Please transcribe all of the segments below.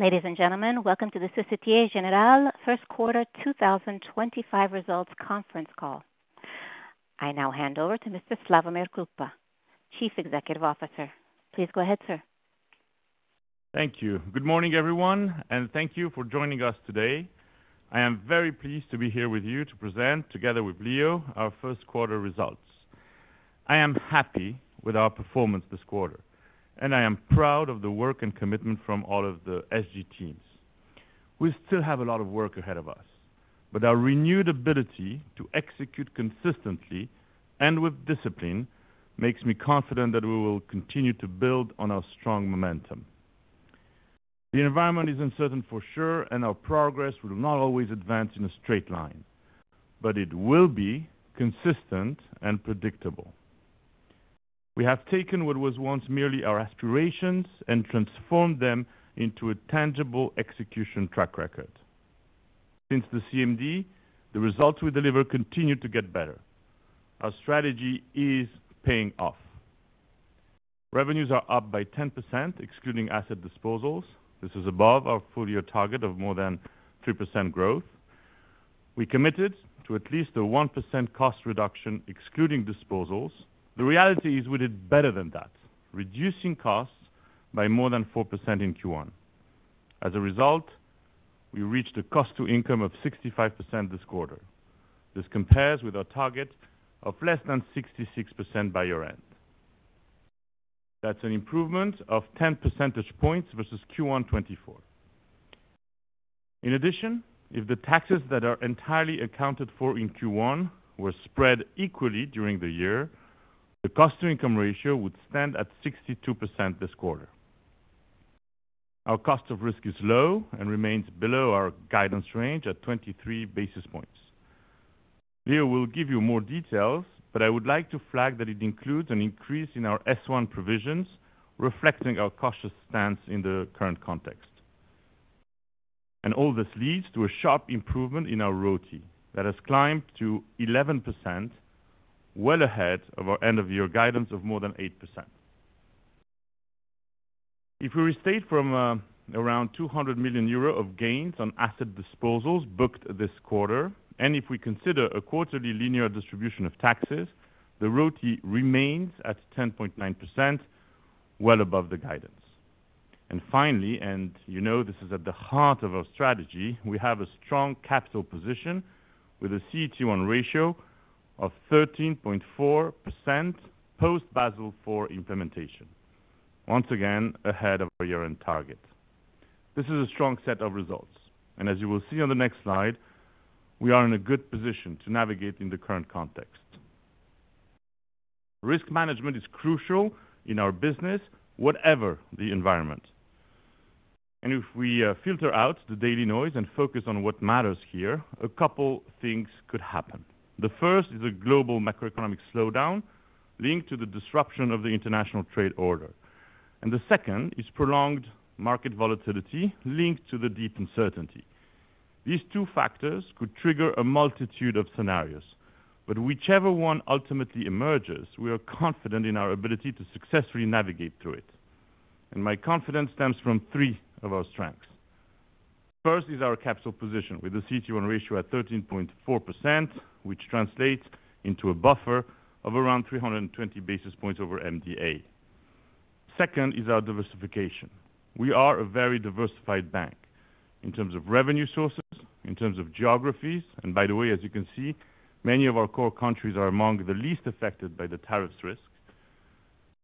Ladies and gentlemen, welcome to the Société Générale First Quarter 2025 results conference call. I now hand over to Mr. Slawomir Krupa, Chief Executive Officer. Please go ahead, sir. Thank you. Good morning, everyone, and thank you for joining us today. I am very pleased to be here with you to present, together with Leo, our first quarter results. I am happy with our performance this quarter, and I am proud of the work and commitment from all of the SG teams. We still have a lot of work ahead of us, but our renewed ability to execute consistently and with discipline makes me confident that we will continue to build on our strong momentum. The environment is uncertain for sure, and our progress will not always advance in a straight line, but it will be consistent and predictable. We have taken what was once merely our aspirations and transformed them into a tangible execution track record. Since the CMD, the results we deliver continue to get better. Our strategy is paying off. Revenues are up by 10%, excluding asset disposals. This is above our four-year target of more than 3% growth. We committed to at least a 1% cost reduction, excluding disposals. The reality is we did better than that, reducing costs by more than 4% in Q1. As a result, we reached a cost-to-income of 65% this quarter. This compares with our target of less than 66% by year-end. That is an improvement of 10 percentage points versus Q1 2024. In addition, if the taxes that are entirely accounted for in Q1 were spread equally during the year, the cost-to-income ratio would stand at 62% this quarter. Our cost of risk is low and remains below our guidance range at 23 basis points. Leo will give you more details, but I would like to flag that it includes an increase in our S1 provisions, reflecting our cautious stance in the current context. All this leads to a sharp improvement in our ROTE that has climbed to 11%, well ahead of our end-of-year guidance of more than 8%. If we restate from around 200 million euro of gains on asset disposals booked this quarter, and if we consider a quarterly linear distribution of taxes, the ROTE remains at 10.9%, well above the guidance. Finally, and you know this is at the heart of our strategy, we have a strong capital position with a CET1 ratio of 13.4% post-Basel IV implementation, once again ahead of our year-end target. This is a strong set of results, and as you will see on the next slide, we are in a good position to navigate in the current context. Risk management is crucial in our business, whatever the environment. If we filter out the daily noise and focus on what matters here, a couple of things could happen. The first is a global macroeconomic slowdown linked to the disruption of the international trade order. The second is prolonged market volatility linked to the deep uncertainty. These two factors could trigger a multitude of scenarios, but whichever one ultimately emerges, we are confident in our ability to successfully navigate through it. My confidence stems from three of our strengths. First is our capital position with a CET1 ratio at 13.4%, which translates into a buffer of around 320 basis points over MDA. Second is our diversification. We are a very diversified bank in terms of revenue sources, in terms of geographies, and by the way, as you can see, many of our core countries are among the least affected by the tariffs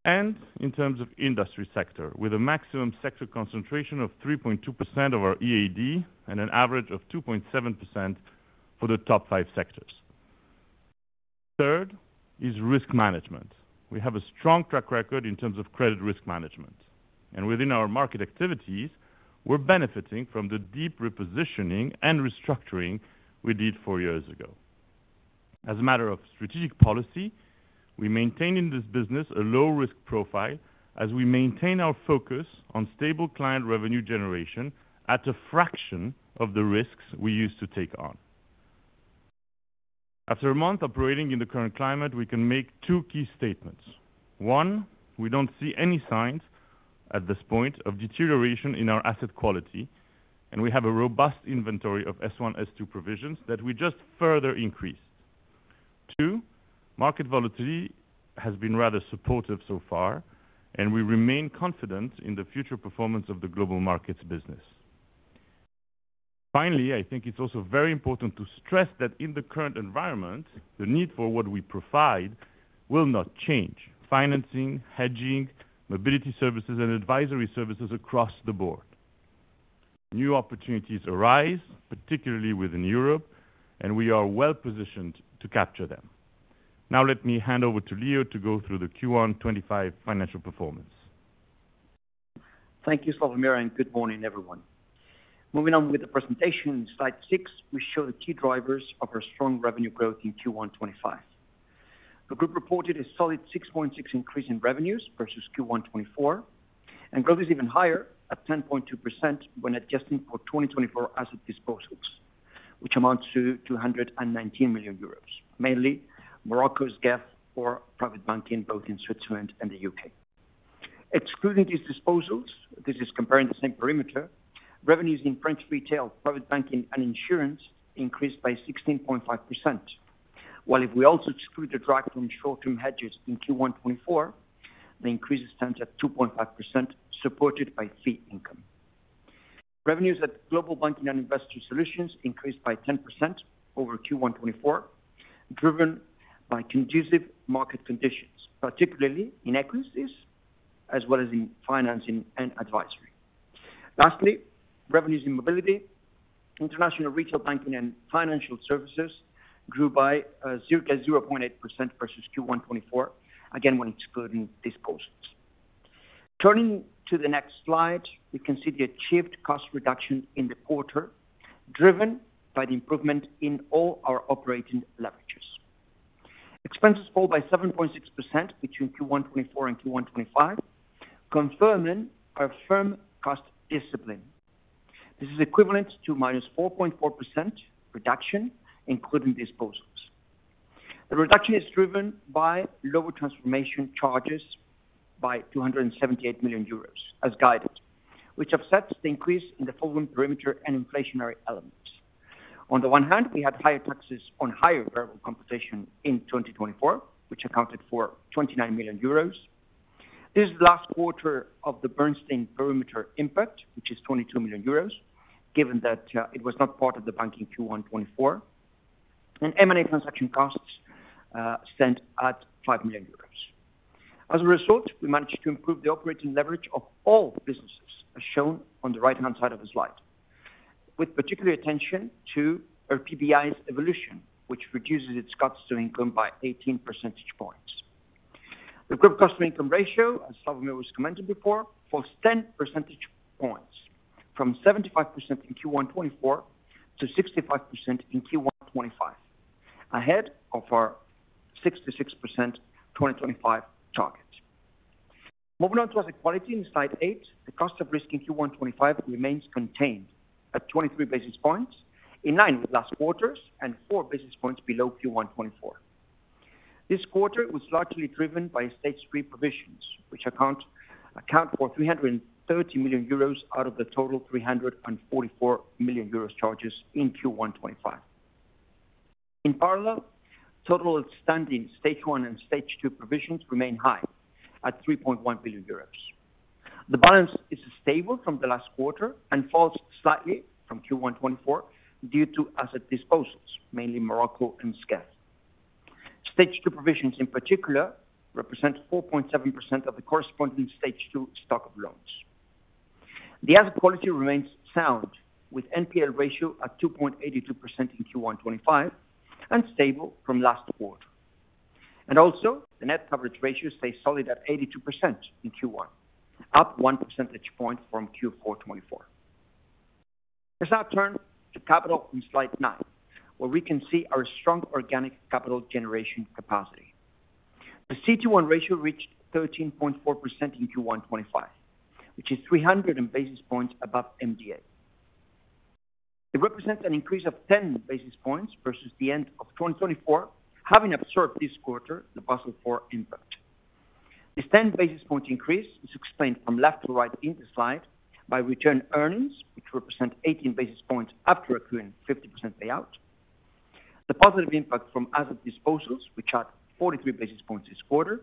risk. In terms of industry sector, with a maximum sector concentration of 3.2% of our EAD and an average of 2.7% for the top five sectors. Third is risk management. We have a strong track record in terms of credit risk management. Within our market activities, we're benefiting from the deep repositioning and restructuring we did four years ago. As a matter of strategic policy, we maintain in this business a low-risk profile as we maintain our focus on stable client revenue generation at a fraction of the risks we used to take on. After a month operating in the current climate, we can make two key statements. One, we don't see any signs at this point of deterioration in our asset quality, and we have a robust inventory of S1, S2 provisions that we just further increased. Two, market volatility has been rather supportive so far, and we remain confident in the future performance of the global markets business. Finally, I think it's also very important to stress that in the current environment, the need for what we provide will not change: financing, hedging, mobility services, and advisory services across the board. New opportunities arise, particularly within Europe, and we are well positioned to capture them. Now let me hand over to Leo to go through the Q1 2025 financial performance. Thank you, Slawomir, and good morning, everyone. Moving on with the presentation, slide six, we show the key drivers of our strong revenue growth in Q1 2025. The group reported a solid 6.6% increase in revenues versus Q1 2024, and growth is even higher at 10.2% when adjusting for 2024 asset disposals, which amounts to 219 million euros, mainly Morocco's GAF or private banking both in Switzerland and the U.K. Excluding these disposals, this is comparing the same perimeter, revenues in French retail, private banking, and insurance increased by 16.5%. While if we also exclude the drag from short-term hedges in Q1 2024, the increase stands at 2.5%, supported by fee income. Revenues at global banking and investor solutions increased by 10% over Q1 2024, driven by conducive market conditions, particularly in equities as well as in financing and advisory. Lastly, revenues in Mobility, International Retail Banking, and Financial Services grew by 0.8% versus Q1 2024, again when excluding disposals. Turning to the next slide, we can see the achieved cost reduction in the quarter driven by the improvement in all our operating leverages. Expenses fall by 7.6% between Q1 2024 and Q1 2025, confirming our firm cost discipline. This is equivalent to a minus 4.4% reduction, including disposals. The reduction is driven by lower transformation charges by 278 million euros as guidance, which offsets the increase in the following perimeter and inflationary elements. On the one hand, we had higher taxes on higher variable computation in 2024, which accounted for 29 million euros. This is the last quarter of the Bernstein perimeter impact, which is 22 million euros, given that it was not part of the banking Q1 2024, and M&A transaction costs stand at 5 million euros. As a result, we managed to improve the operating leverage of all businesses, as shown on the right-hand side of the slide, with particular attention to our PBI's evolution, which reduces its cost to income by 18 percentage points. The group cost-to-income ratio, as Slawomir was commenting before, falls 10 percentage points from 75% in Q1 2024 to 65% in Q1 2025, ahead of our 66% 2025 target. Moving on to asset quality in slide eight, the cost of risk in Q1 2025 remains contained at 23 basis points, in line with last quarter's and four basis points below Q1 2024. This quarter was largely driven by stage three provisions, which account for 330 million euros out of the total 344 million euros charges in Q1 2025. In parallel, total outstanding stage one and stage two provisions remain high at 3.1 billion euros. The balance is stable from the last quarter and falls slightly from Q1 2024 due to asset disposals, mainly Morocco and SCAD. Stage two provisions, in particular, represent 4.7% of the corresponding stage two stock of loans. The asset quality remains sound, with NPL ratio at 2.82% in Q1 2025 and stable from last quarter. The net coverage ratio stays solid at 82% in Q1, up 1 percentage point from Q4 2024. Let's now turn to capital in slide nine, where we can see our strong organic capital generation capacity. The CT1 ratio reached 13.4% in Q1 2025, which is 300 basis points above MDA. It represents an increase of 10 basis points versus the end of 2024, having absorbed this quarter the Basel IV impact. This 10 basis point increase is explained from left to right in the slide by return earnings, which represent 18 basis points after accruing 50% payout. The positive impact from asset disposals, which are 43 basis points this quarter,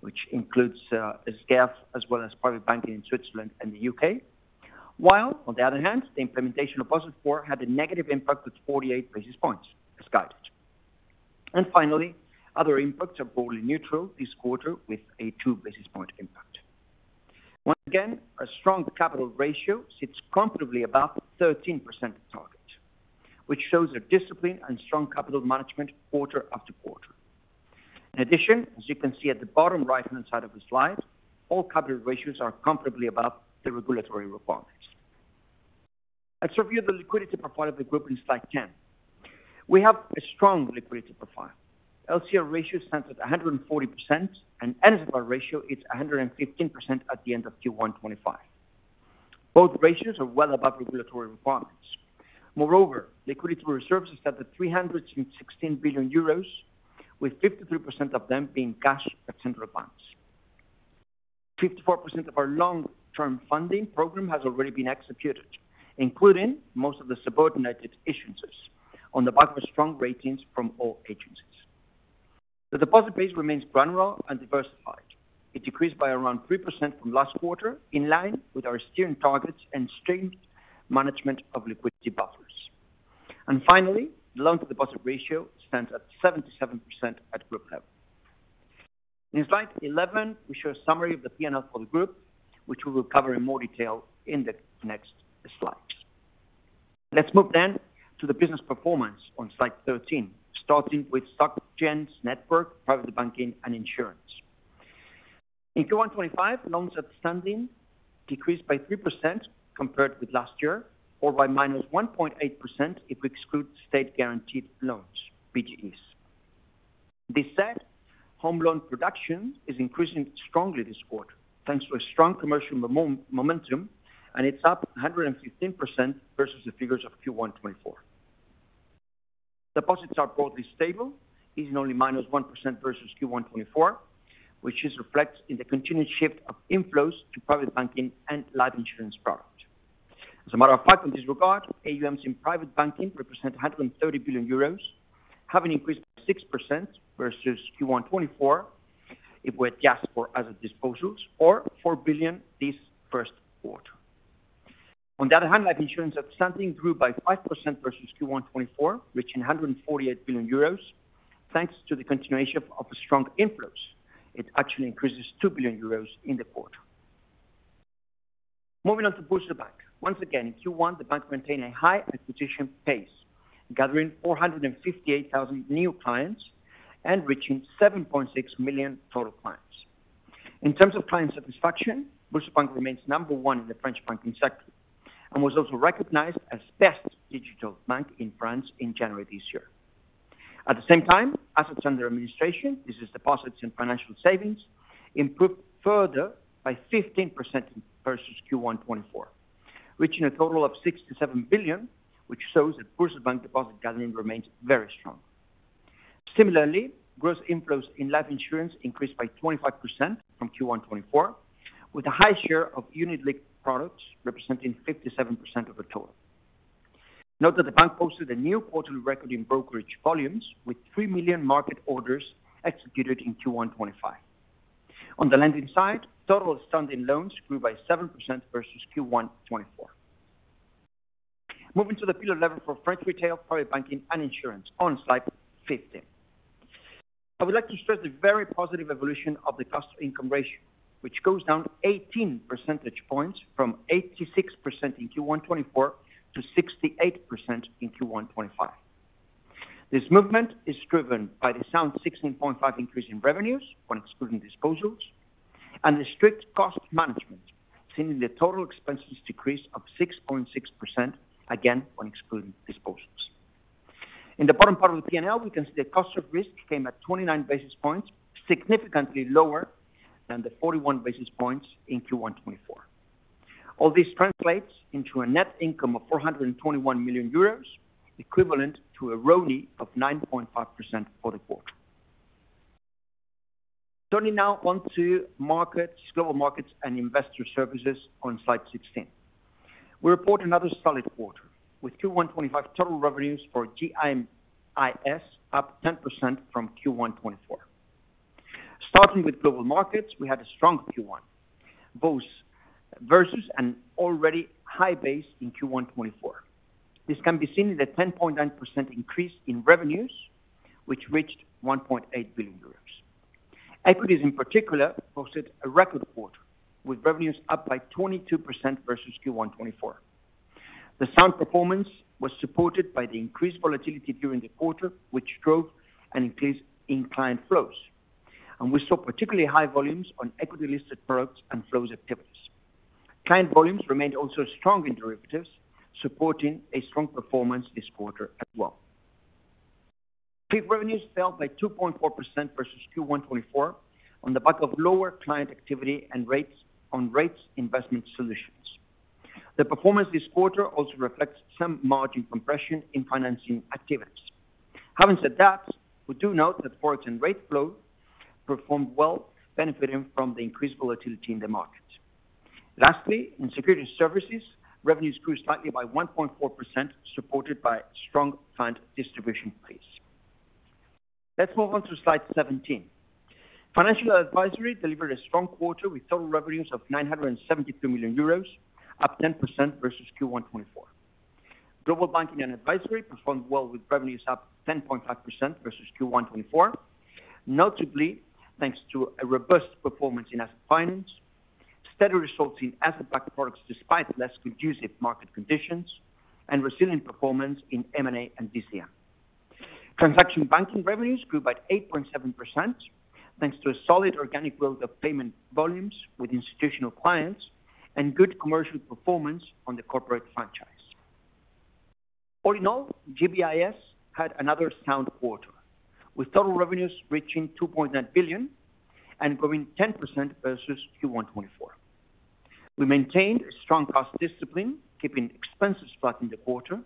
which includes SCAF as well as private banking in Switzerland and the U.K., while, on the other hand, the implementation of Basel IV had a negative impact of 48 basis points as guidance. Finally, other impacts are broadly neutral this quarter, with a two-basis point impact. Once again, our strong capital ratio sits comfortably above 13% target, which shows our discipline and strong capital management quarter after quarter. In addition, as you can see at the bottom right-hand side of the slide, all capital ratios are comfortably above the regulatory requirements. Let's review the liquidity profile of the group in slide ten. We have a strong liquidity profile. LCR ratio stands at 140%, and NSFR ratio is 115% at the end of Q1 2025. Both ratios are well above regulatory requirements. Moreover, liquidity reserves are set at 316 billion euros, with 53% of them being cash at central banks. 54% of our long-term funding program has already been executed, including most of the subordinated issuances on the back of strong ratings from all agencies. The deposit base remains general and diversified. It decreased by around 3% from last quarter, in line with our steering targets and streamed management of liquidity buffers. Finally, the loan-to-deposit ratio stands at 77% at group level. In slide 11, we show a summary of the P&L for the group, which we will cover in more detail in the next slides. Let's move then to the business performance on slide 13, starting with Société Générale's network, private banking, and insurance. In Q1 2025, loans outstanding decreased by 3% compared with last year, or by -1.8% if we exclude state-guaranteed loans, BGEs. This said, home loan production is increasing strongly this quarter, thanks to a strong commercial momentum, and it's up 115% versus the figures of Q1 2024. Deposits are broadly stable, easing only -1% versus Q1 2024, which is reflected in the continued shift of inflows to private banking and life insurance product. As a matter of fact, in this regard, AUMs in private banking represent 130 billion euros, having increased by 6% versus Q1 2024 if we had guessed for asset disposals, or 4 billion this first quarter. On the other hand, life insurance outstanding grew by 5% versus Q1 2024, reaching 148 billion euros, thanks to the continuation of strong inflows. It actually increases 2 billion euros in the quarter. Moving on to Boursorama Bank. Once again, in Q1, the bank maintained a high acquisition pace, gathering 458,000 new clients and reaching 7.6 million total clients. In terms of client satisfaction, Boursorama Bank remains number one in the French banking sector and was also recognized as best digital bank in France in January this year. At the same time, assets under administration, this is deposits and financial savings, improved further by 15% versus Q1 2024, reaching a total of 67 billion, which shows that Boursorama Bank deposit gathering remains very strong. Similarly, gross inflows in life insurance increased by 25% from Q1 2024, with a high share of unit-linked products representing 57% of the total. Note that the bank posted a new quarterly record in brokerage volumes, with 3 million market orders executed in Q1 2025. On the lending side, total outstanding loans grew by 7% versus Q1 2024. Moving to the pillar level for French retail, private banking, and insurance on slide 15. I would like to stress the very positive evolution of the cost-to-income ratio, which goes down 18 percentage points from 86% in Q1 2024 to 68% in Q1 2025. This movement is driven by the sound 16.5% increase in revenues when excluding disposals and the strict cost management, seeing the total expenses decrease of 6.6%, again when excluding disposals. In the bottom part of the P&L, we can see the cost of risk came at 29 basis points, significantly lower than the 41 basis points in Q1 2024. All this translates into a net income of 421 million euros, equivalent to a RONI of 9.5% for the quarter. Turning now on to markets, global markets, and investor services on slide 16. We report another solid quarter, with Q1 2025 total revenues for GIMIS up 10% from Q1 2024. Starting with global markets, we had a strong Q1, both versus an already high base in Q1 2024. This can be seen in a 10.9% increase in revenues, which reached 1.8 billion euros. Equities, in particular, posted a record quarter, with revenues up by 22% versus Q1 2024. The sound performance was supported by the increased volatility during the quarter, which drove an increase in client flows, and we saw particularly high volumes on equity-listed products and flows activities. Client volumes remained also strong in derivatives, supporting a strong performance this quarter as well. Peak revenues fell by 2.4% versus Q1 2024 on the back of lower client activity and rates on rates investment solutions. The performance this quarter also reflects some margin compression in financing activities. Having said that, we do note that forex and rate flow performed well, benefiting from the increased volatility in the market. Lastly, in securities services, revenues grew slightly by 1.4%, supported by strong fund distribution pace. Let's move on to slide 17. Financial advisory delivered a strong quarter with total revenues of 972 million euros, up 10% versus Q1 2024. Global banking and advisory performed well with revenues up 10.5% versus Q1 2024, notably thanks to a robust performance in asset finance, steady results in asset-backed products despite less conducive market conditions, and resilient performance in M&A and DCM. Transaction banking revenues grew by 8.7%, thanks to a solid organic weld of payment volumes with institutional clients and good commercial performance on the corporate franchise. All in all, GBIS had another sound quarter, with total revenues reaching 2.9 billion and growing 10% versus Q1 2024. We maintained a strong cost discipline, keeping expenses flat in the quarter,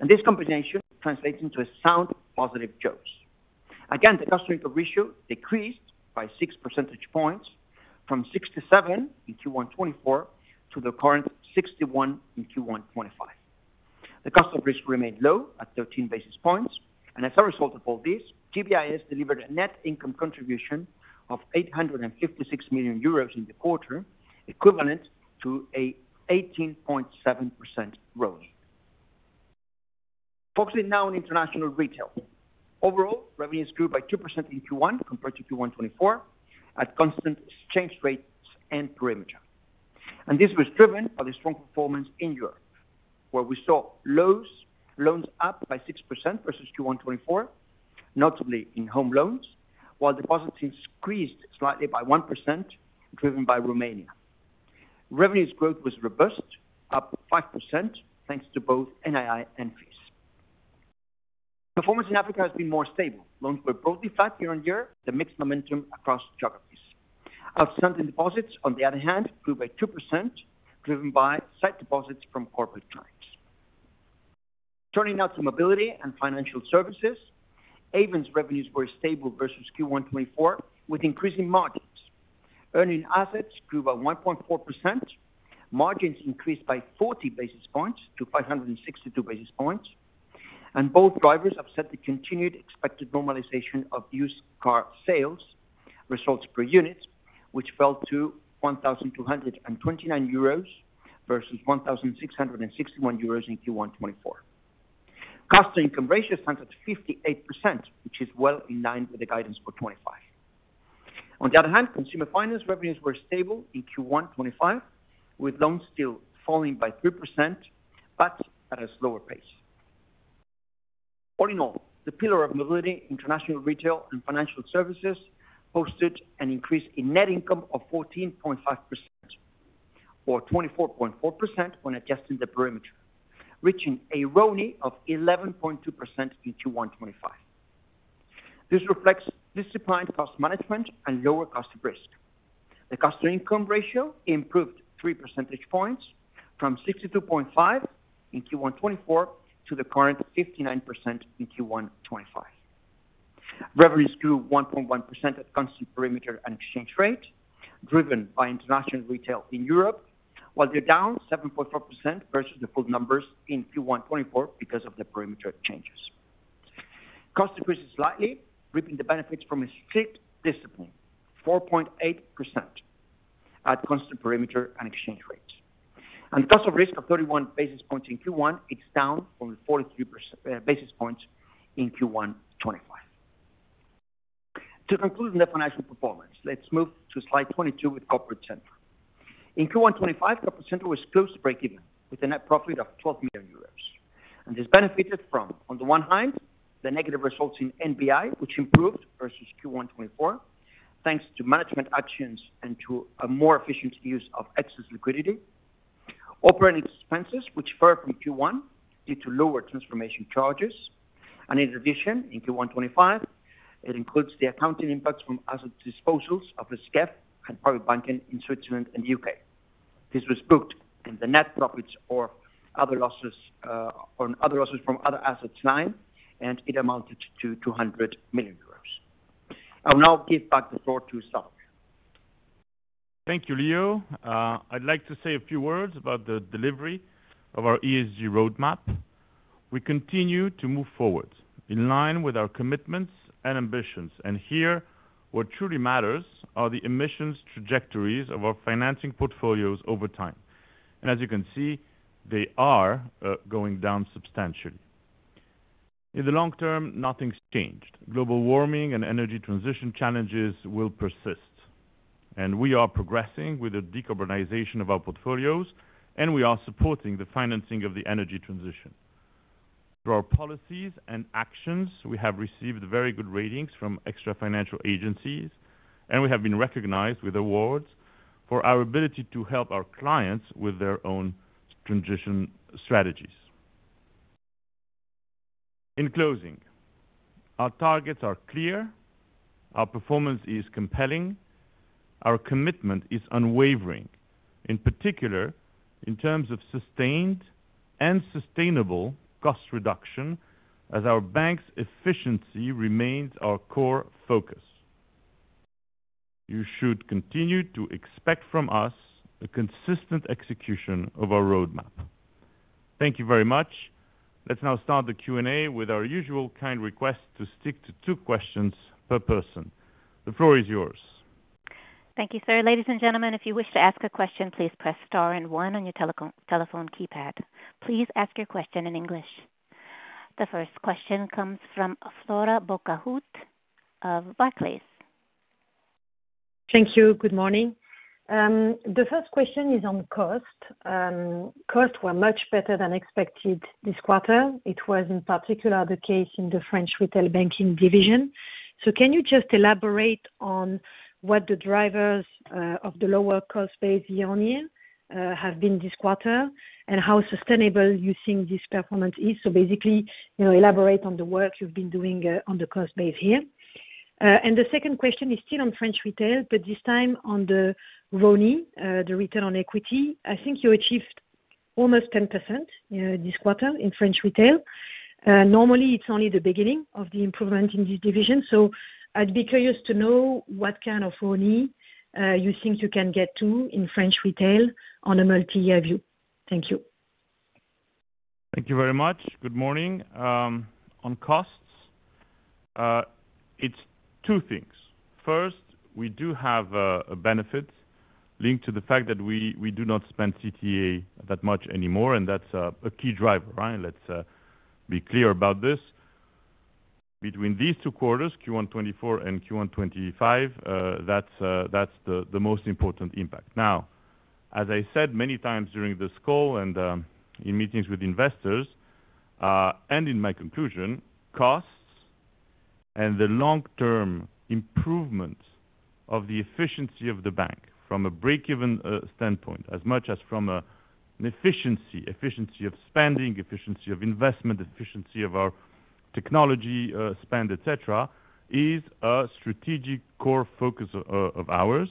and this combination translates into a sound positive jaws. The cost-to-income ratio decreased by 6 percentage points from 67% in Q1 2024 to the current 61% in Q1 2025. The cost of risk remained low at 13 basis points, and as a result of all this, GBIS delivered a net income contribution of 856 million euros in the quarter, equivalent to an 18.7% ROTE. Focusing now on international retail. Overall, revenues grew by 2% in Q1 compared to Q1 2024 at constant exchange rates and perimeter. This was driven by the strong performance in Europe, where we saw loans up by 6% versus Q1 2024, notably in home loans, while deposits increased slightly by 1%, driven by Romania. Revenues growth was robust, up 5%, thanks to both NII and fees. Performance in Africa has been more stable. Loans were broadly flat year on year, with mixed momentum across geographies. Outstanding deposits, on the other hand, grew by 2%, driven by site deposits from corporate clients. Turning now to mobility and financial services, Ayvens' revenues were stable versus Q1 2024, with increasing margins. Earning assets grew by 1.4%. Margins increased by 40 basis points to 562 basis points. Both drivers have set the continued expected normalization of used car sales results per unit, which fell to 1,229 euros versus 1,661 euros in Q1 2024. Cost-to-income ratio stands at 58%, which is well in line with the guidance for 2025. On the other hand, consumer finance revenues were stable in Q1 2025, with loans still falling by 3%, but at a slower pace. All in all, the pillar of mobility, international retail, and financial services posted an increase in net income of 14.5%, or 24.4% when adjusting the perimeter, reaching a RONI of 11.2% in Q1 2025. This reflects disciplined cost management and lower cost of risk. The cost-to-income ratio improved 3 percentage points from 62.5% in Q1 2024 to the current 59% in Q1 2025. Revenues grew 1.1% at constant perimeter and exchange rate, driven by international retail in Europe, while they're down 7.4% versus the full numbers in Q1 2024 because of the perimeter changes. Costs increase slightly, reaping the benefits from a strict discipline, 4.8% at constant perimeter and exchange rate. The cost of risk of 31 basis points in Q1 is down from 43 basis points in Q1 2024. To conclude on the financial performance, let's move to slide 22 with Corporate Center. In Q1 2025, Corporate Center was close to breakeven with a net profit of 12 million euros. This benefited from, on the one hand, the negative results in NBI, which improved versus Q1 2024, thanks to management actions and to a more efficient use of excess liquidity. Operating expenses, which fared from Q1 due to lower transformation charges. In addition, in Q1 2025, it includes the accounting impacts from asset disposals of the SGEF and private banking in Switzerland and the U.K. This was booked in the net profits or other losses from other assets line, and it amounted to 200 million euros. I'll now give back the floor to Slawomir. Thank you, Leo. I'd like to say a few words about the delivery of our ESG roadmap. We continue to move forward in line with our commitments and ambitions. Here, what truly matters are the emissions trajectories of our financing portfolios over time. As you can see, they are going down substantially. In the long term, nothing's changed. Global warming and energy transition challenges will persist. We are progressing with the decarbonization of our portfolios, and we are supporting the financing of the energy transition. Through our policies and actions, we have received very good ratings from extra financial agencies, and we have been recognized with awards for our ability to help our clients with their own transition strategies. In closing, our targets are clear. Our performance is compelling. Our commitment is unwavering, in particular in terms of sustained and sustainable cost reduction, as our bank's efficiency remains our core focus. You should continue to expect from us a consistent execution of our roadmap. Thank you very much. Let's now start the Q&A with our usual kind request to stick to two questions per person. The floor is yours. Thank you, sir. Ladies and gentlemen, if you wish to ask a question, please press star and one on your telephone keypad. Please ask your question in English. The first question comes from Flora Bocahut of Barclays. Thank you. Good morning. The first question is on cost. Costs were much better than expected this quarter. It was, in particular, the case in the French retail banking division. Can you just elaborate on what the drivers of the lower cost base year on year have been this quarter and how sustainable you think this performance is? Basically, elaborate on the work you've been doing on the cost base here. The second question is still on French retail, but this time on the RONI, the return on equity. I think you achieved almost 10% this quarter in French retail. Normally, it's only the beginning of the improvement in this division. I'd be curious to know what kind of RONI you think you can get to in French retail on a multi-year view. Thank you. Thank you very much. Good morning. On costs, it's two things. First, we do have a benefit linked to the fact that we do not spend CTA that much anymore, and that's a key driver, right? Let's be clear about this. Between these two quarters, Q1 2024 and Q1 2025, that's the most important impact. Now, as I said many times during this call and in meetings with investors and in my conclusion, costs and the long-term improvement of the efficiency of the bank from a breakeven standpoint, as much as from an efficiency, efficiency of spending, efficiency of investment, efficiency of our technology spend, etc., is a strategic core focus of ours.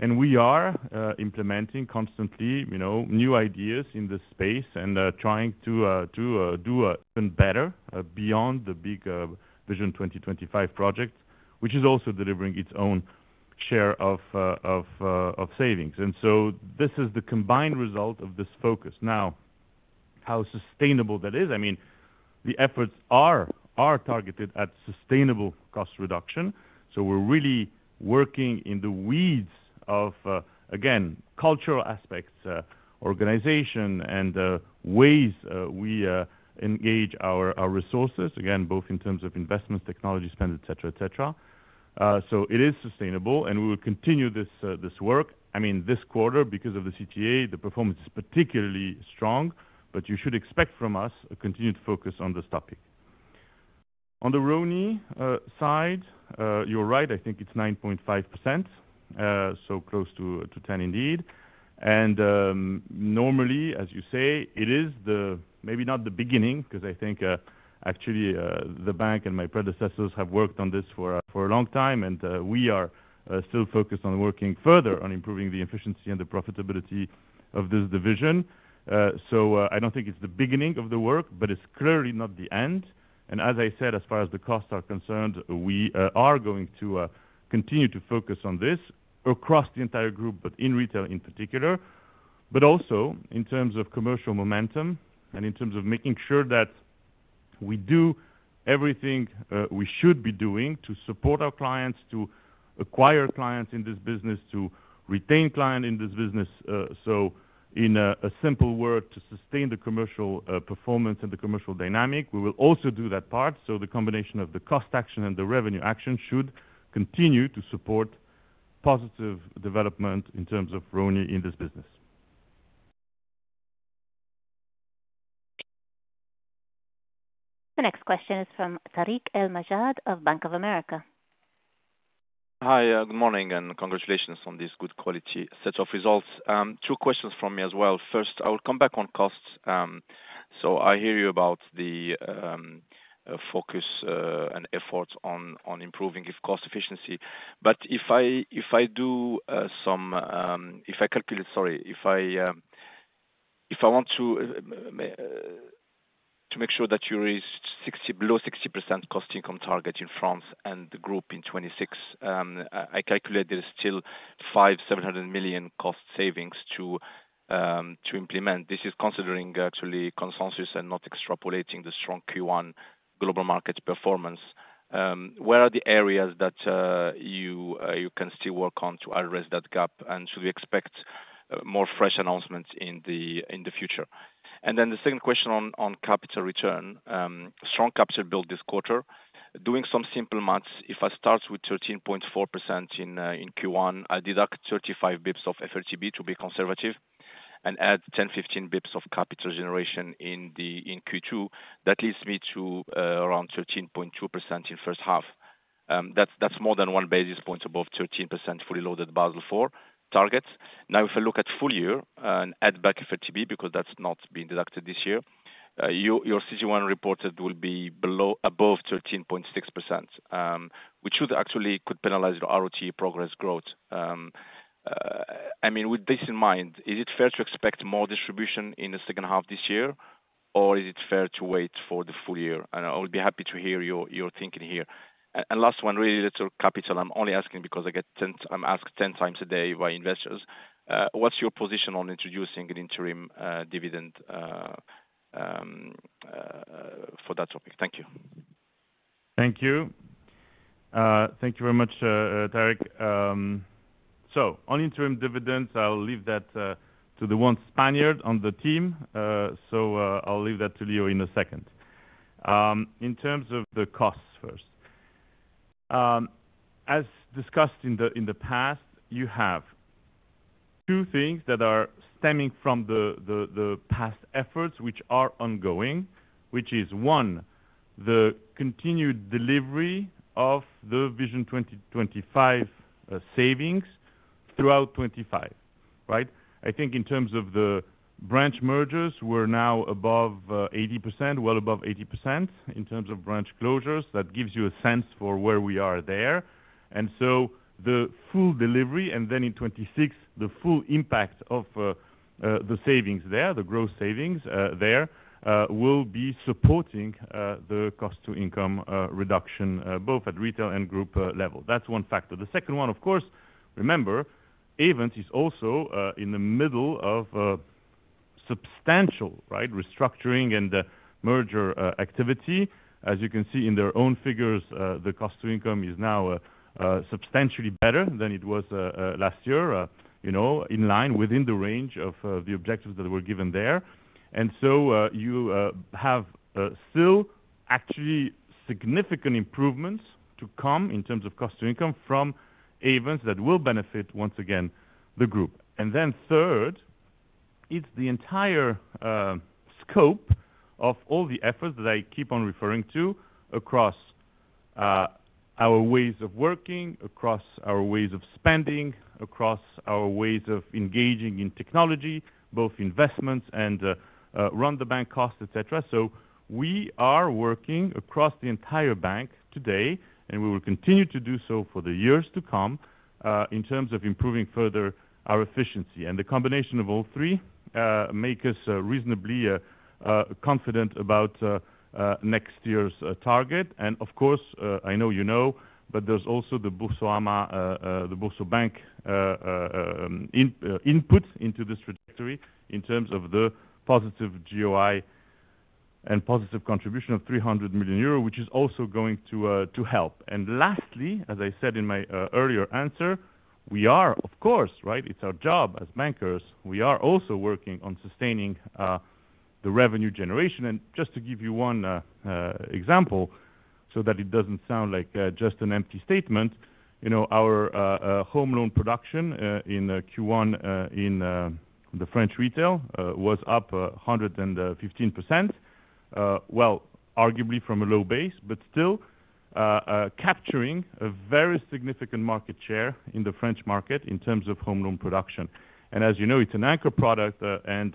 We are implementing constantly new ideas in this space and trying to do even better beyond the big Vision 2025 project, which is also delivering its own share of savings. This is the combined result of this focus. Now, how sustainable that is the efforts are targeted at sustainable cost reduction. We are really working in the weeds of, again, cultural aspects, organization, and ways we engage our resources, again, both in terms of investments, technology spend, etc. It is sustainable, and we will continue this work. This quarter, because of the CTA, the performance is particularly strong, but you should expect from us a continued focus on this topic. On the RONI side, you're right, I think it's 9.5%, so close to 10% indeed. Normally, as you say, it is maybe not the beginning, because I think actually the bank and my predecessors have worked on this for a long time, and we are still focused on working further on improving the efficiency and the profitability of this division. I don't think it's the beginning of the work, but it's clearly not the end. As I said, as far as the costs are concerned, we are going to continue to focus on this across the entire group, in retail in particular, but also in terms of commercial momentum and in terms of making sure that we do everything we should be doing to support our clients, to acquire clients in this business, to retain clients in this business. In a simple word, to sustain the commercial performance and the commercial dynamic, we will also do that part. The combination of the cost action and the revenue action should continue to support positive development in terms of RONI in this business. The next question is from Tarik El-Majjad of Bank of America. Hi, good morning, and congratulations on this good quality set of results. Two questions from me as well. First, I will come back on costs. I hear you about the focus and effort on improving cost efficiency. If I calculate, sorry, if I want to make sure that you reach below 60% cost-to-income target in France and the group in 2026, I calculate there's still 5,700 million cost savings to implement. This is considering actually consensus and not extrapolating the strong Q1 global market performance. Where are the areas that you can still work on to address that gap? Should we expect more fresh announcements in the future? The second question on capital return, strong capital build this quarter. Doing some simple maths, if I start with 13.4% in Q1, I deduct 35 basis points of FLTB to be conservative and add 10-15 basis points of capital generation in Q2. That leads me to around 13.2% in first half. That's more than one basis point above 13% fully loaded Basel IV target. Now, if I look at full year and add back FLTB because that's not being deducted this year, your CG1 reported will be above 13.6%, which should actually could penalize your ROT progress growth. With this in mind, is it fair to expect more distribution in the second half this year, or is it fair to wait for the full year? I would be happy to hear your thinking here. Last one, really little capital. I'm only asking because I get 10, I'm asked 10 times a day by investors. What's your position on introducing an interim dividend for that topic? Thank you. Thank you. Thank you very much, Tariq. On interim dividends, I'll leave that to the ones pioneered on the team. I'll leave that to Leo in a second. In terms of the costs first, as discussed in the past, you have two things that are stemming from the past efforts, which are ongoing, which is one, the continued delivery of the Vision 2025 savings throughout 2025, right? I think in terms of the branch mergers, we're now above 80%, well above 80% in terms of branch closures. That gives you a sense for where we are there. The full delivery, and then in 2026, the full impact of the savings there, the gross savings there, will be supporting the cost to income reduction, both at retail and group level. That's one factor. The second one, of course, remember, Ayvens is also in the middle of substantial restructuring and merger activity. As you can see in their own figures, the cost to income is now substantially better than it was last year, in line within the range of the objectives that were given there. You have still actually significant improvements to come in terms of cost to income from Ayvens that will benefit, once again, the group. Third, it is the entire scope of all the efforts that I keep on referring to across our ways of working, across our ways of spending, across our ways of engaging in technology, both investments and run the bank costs, etc. We are working across the entire bank today, and we will continue to do so for the years to come in terms of improving further our efficiency. The combination of all three makes us reasonably confident about next year's target. Of course, I know you know, but there is also the Boursorama, the Boursorama Bank input into this trajectory in terms of the positive GOI and positive contribution of 300 million euro, which is also going to help. Lastly, as I said in my earlier answer, we are, of course, right? It is our job as bankers. We are also working on sustaining the revenue generation. Just to give you one example so that it does not sound like just an empty statement, our home loan production in Q1 in the French retail was up 115%, arguably from a low base, but still capturing a very significant market share in the French market in terms of home loan production. As you know, it's an anchor product, and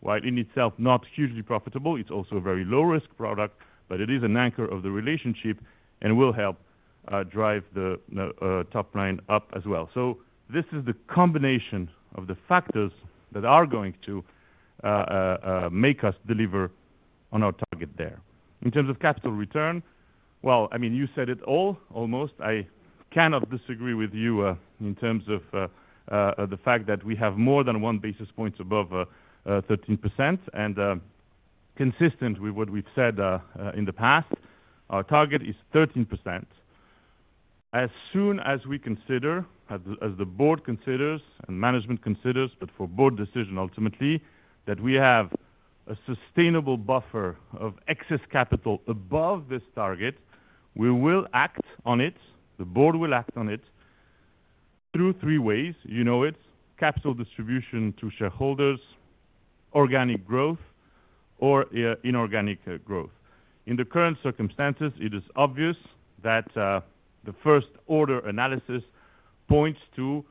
while in itself not hugely profitable, it's also a very low-risk product, but it is an anchor of the relationship and will help drive the top line up as well. This is the combination of the factors that are going to make us deliver on our target there. In terms of capital return you said it all, almost. I cannot disagree with you in terms of the fact that we have more than one basis point above 13%. Consistent with what we've said in the past, our target is 13%. As soon as we consider, as the board considers and management considers, but for board decision ultimately, that we have a sustainable buffer of excess capital above this target, we will act on it. The board will act on it through three ways. You know it's capital distribution to shareholders, organic growth, or inorganic growth. In the current circumstances, it is obvious that the first order analysis points to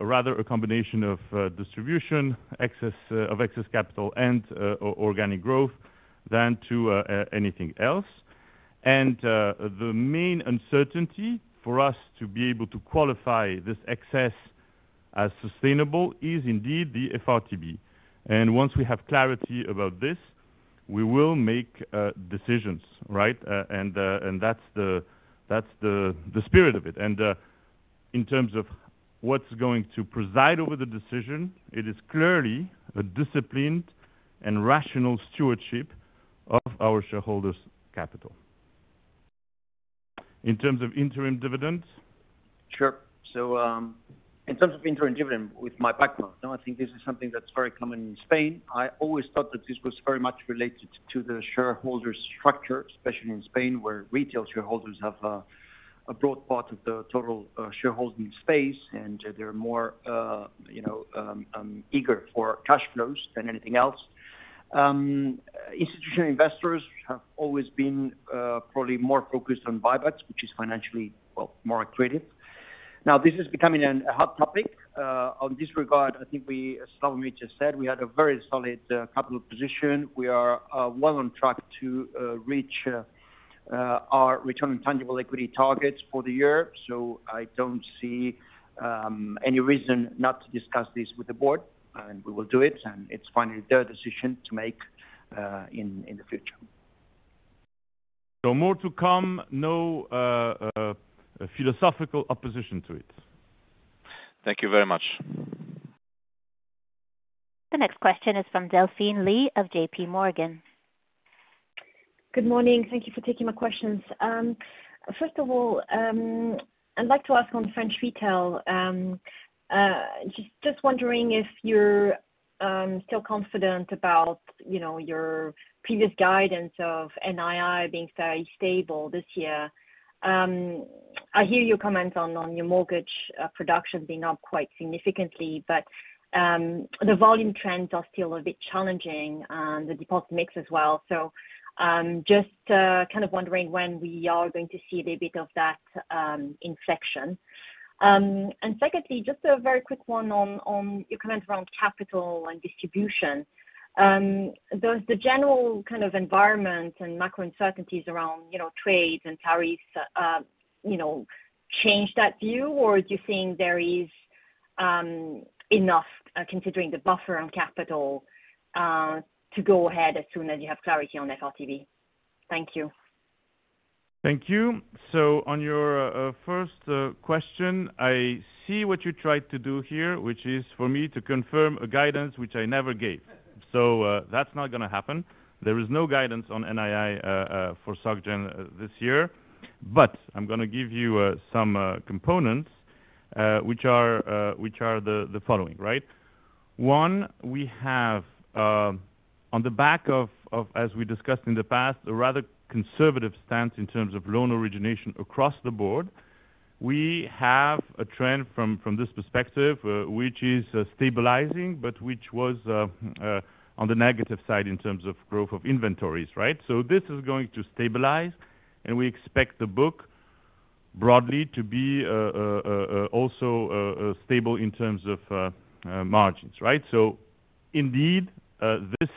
rather a combination of distribution of excess capital and organic growth than to anything else. The main uncertainty for us to be able to qualify this excess as sustainable is indeed the FRTB. Once we have clarity about this, we will make decisions, right? That's the spirit of it. In terms of what's going to preside over the decision, it is clearly a disciplined and rational stewardship of our shareholders' capital. In terms of interim dividends? Sure. In terms of interim dividend, with my background, I think this is something that's very common in Spain. I always thought that this was very much related to the shareholders' structure, especially in Spain, where retail shareholders have a broad part of the total shareholding space, and they're more eager for cash flows than anything else. Institutional investors have always been probably more focused on buybacks, which is financially, well, more accretive. Now, this is becoming a hot topic. In this regard, I think we, as Slawomir just said, we had a very solid capital position. We are well on track to reach our return on tangible equity targets for the year. I don't see any reason not to discuss this with the board, and we will do it, and it's finally their decision to make in the future. More to come. No philosophical opposition to it. Thank you very much. The next question is from Delphine Lee of JP Morgan. Good morning. Thank you for taking my questions. First of all, I'd like to ask on French retail, just wondering if you're still confident about your previous guidance of NII being fairly stable this year. I hear your comments on your mortgage production being up quite significantly, but the volume trends are still a bit challenging and the deposit mix as well. Just kind of wondering when we are going to see a bit of that inflection. Secondly, just a very quick one on your comments around capital and distribution. Does the general kind of environment and macro uncertainties around trades and tariffs change that view, or do you think there is enough, considering the buffer on capital, to go ahead as soon as you have clarity on FRTB? Thank you. Thank you. On your first question, I see what you tried to do here, which is for me to confirm a guidance which I never gave. That is not going to happen. There is no guidance on NII for Société Générale this year. I am going to give you some components, which are the following, right? One, we have on the back of, as we discussed in the past, a rather conservative stance in terms of loan origination across the board. We have a trend from this perspective, which is stabilizing, but which was on the negative side in terms of growth of inventories, right? This is going to stabilize, and we expect the book broadly to be also stable in terms of margins, right? Indeed, this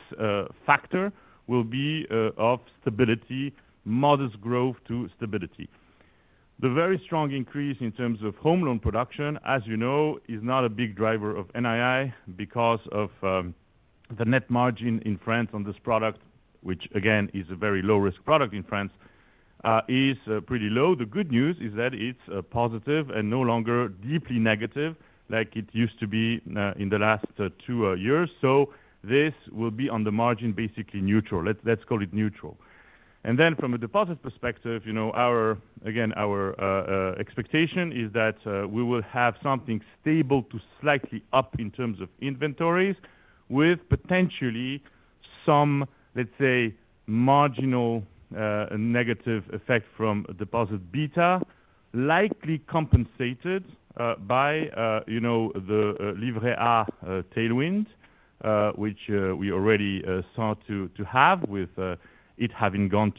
factor will be of stability, modest growth to stability. The very strong increase in terms of home loan production, as you know, is not a big driver of NII because of the net margin in France on this product, which again is a very low-risk product in France, is pretty low. The good news is that it's positive and no longer deeply negative like it used to be in the last two years. This will be on the margin, basically neutral. Let's call it neutral. From a deposit perspective, again, our expectation is that we will have something stable to slightly up in terms of inventories with potentially some, let's say, marginal negative effect from deposit beta, likely compensated by the Livret A tailwind, which we already saw to have with it having gone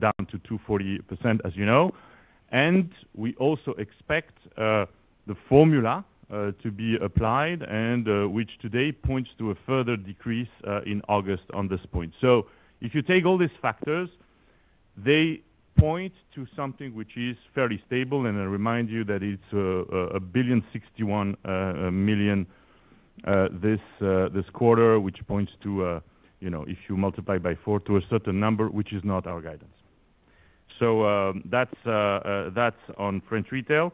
down to 240%, as you know. We also expect the formula to be applied, which today points to a further decrease in August on this point. If you take all these factors, they point to something which is fairly stable. I remind you that it is 1.061 billion this quarter, which points to, if you multiply by four, a certain number, which is not our guidance. That is on French retail.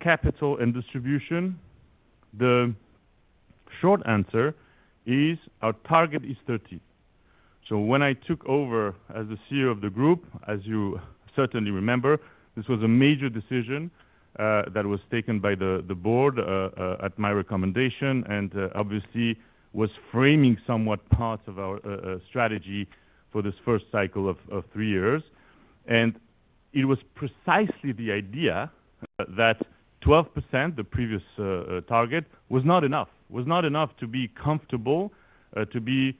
Capital and distribution, the short answer is our target is 30. When I took over as the CEO of the group, as you certainly remember, this was a major decision that was taken by the board at my recommendation and obviously was framing somewhat part of our strategy for this first cycle of three years. It was precisely the idea that 12%, the previous target, was not enough, was not enough to be comfortable, to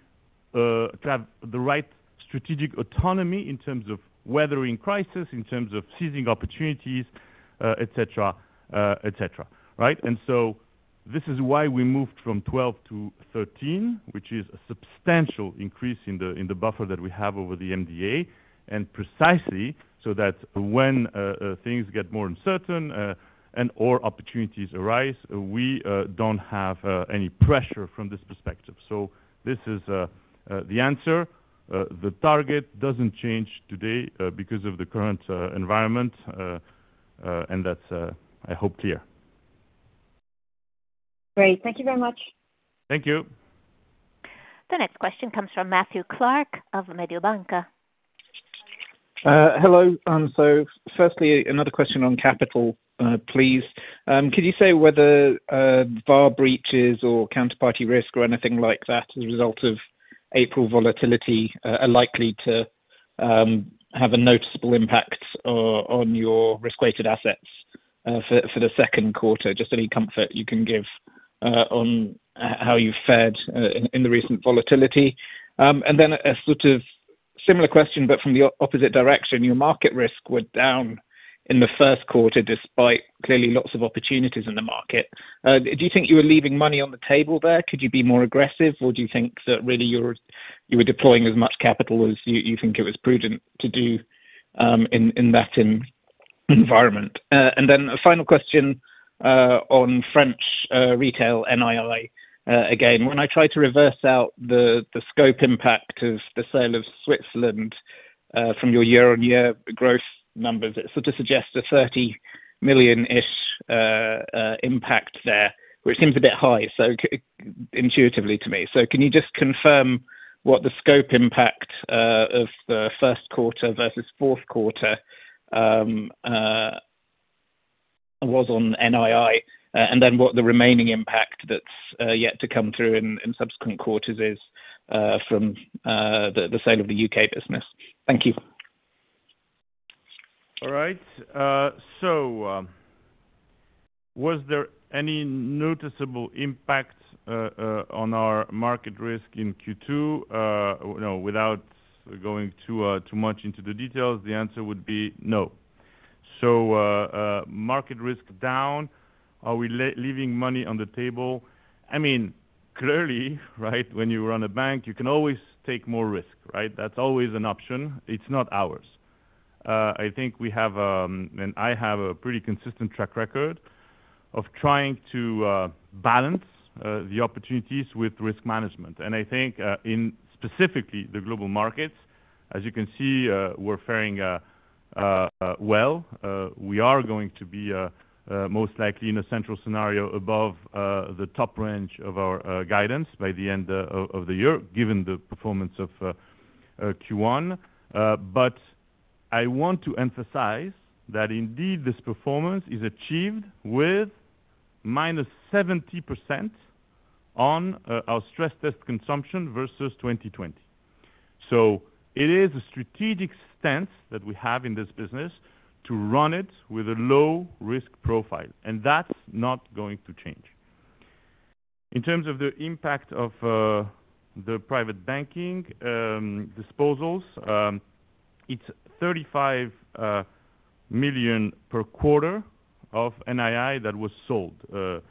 have the right strategic autonomy in terms of weathering crisis, in terms of seizing opportunities, etc., etc., right? This is why we moved from 12 to 13, which is a substantial increase in the buffer that we have over the MDA. Precisely so that when things get more uncertain and/or opportunities arise, we do not have any pressure from this perspective. This is the answer. The target does not change today because of the current environment, and that is, I hope, clear. Great. Thank you very much. Thank you. The next question comes from Matthew Clark of Mediobanca. Hello. Firstly, another question on capital, please. Could you say whether VAR breaches or counterparty risk or anything like that as a result of April volatility are likely to have a noticeable impact on your risk-weighted assets for the second quarter? Just any comfort you can give on how you've fared in the recent volatility. A sort of similar question, but from the opposite direction. Your market risk was down in the first quarter despite clearly lots of opportunities in the market. Do you think you were leaving money on the table there? Could you be more aggressive? Or do you think that really you were deploying as much capital as you think it was prudent to do in that environment? A final question on French retail NII. When I try to reverse out the scope impact of the sale of Switzerland from your year-on-year growth numbers, it sort of suggests a 30 million-ish impact there, which seems a bit high, so intuitively to me. Can you just confirm what the scope impact of the first quarter versus fourth quarter was on NII, and then what the remaining impact that's yet to come through in subsequent quarters is from the sale of the U.K. business? Thank you. All right. Was there any noticeable impact on our market risk in Q2? No, without going too much into the details, the answer would be no. Market risk down? Are we leaving money on the table? When you run a bank, you can always take more risk, right? That's always an option. It's not ours. I think we have, and I have a pretty consistent track record of trying to balance the opportunities with risk management. I think in specifically the global markets, as you can see, we're faring well. We are going to be most likely in a central scenario above the top range of our guidance by the end of the year, given the performance of Q1. I want to emphasize that indeed this performance is achieved with minus 70% on our stress test consumption versus 2020. It is a strategic stance that we have in this business to run it with a low-risk profile. That's not going to change. In terms of the impact of the private banking disposals, it's 35 million per quarter of NII that was sold. The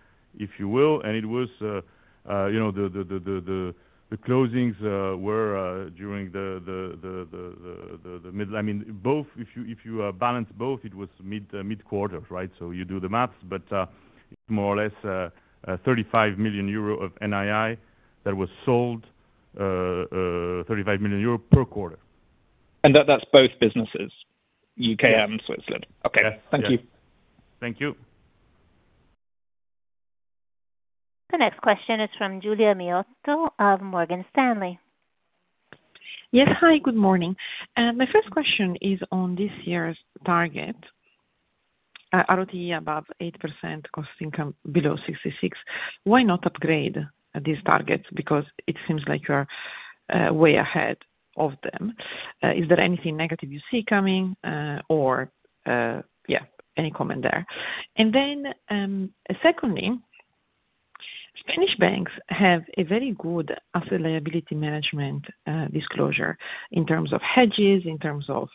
closings were during the middle. If you balance both, it was mid-quarter, right? So you do the maths, but more or less 35 million euro of NII that was sold, 35 million euro per quarter. And that's both businesses, U.K. and Switzerland? Okay. Thank you. Thank you. The next question is from Giulia Miotto of Morgan Stanley. Yes. Hi. Good morning. My first question is on this year's target, ROTE above 8%, cost income below 66%. Why not upgrade these targets? Because it seems like you are way ahead of them. Is there anything negative you see coming? Or yeah, any comment there? And then secondly, Spanish banks have a very good asset liability management disclosure in terms of hedges, in terms of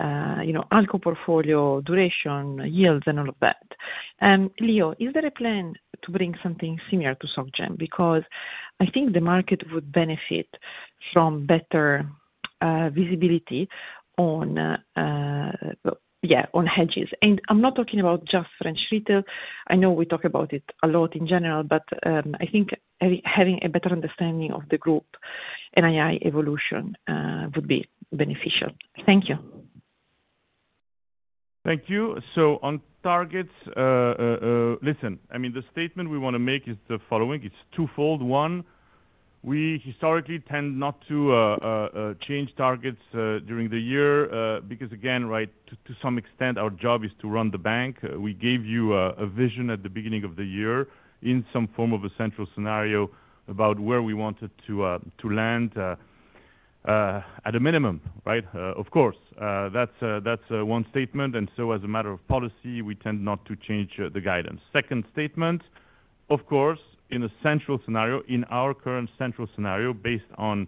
ALCO portfolio, duration, yields, and all of that. Leo, is there a plan to bring something similar to Sogjen? Because the market would benefit from better visibility on hedges. And I'm not talking about just French retail. I know we talk about it a lot in general, but I think having a better understanding of the group and NII evolution would be beneficial. Thank you. Thank you. On targets, listen, the statement we want to make is the following. It's twofold. One, we historically tend not to change targets during the year because, again, right, to some extent, our job is to run the bank. We gave you a vision at the beginning of the year in some form of a central scenario about where we wanted to land at a minimum, right? Of course. That's one statement. As a matter of policy, we tend not to change the guidance. Second statement, of course, in a central scenario, in our current central scenario, based on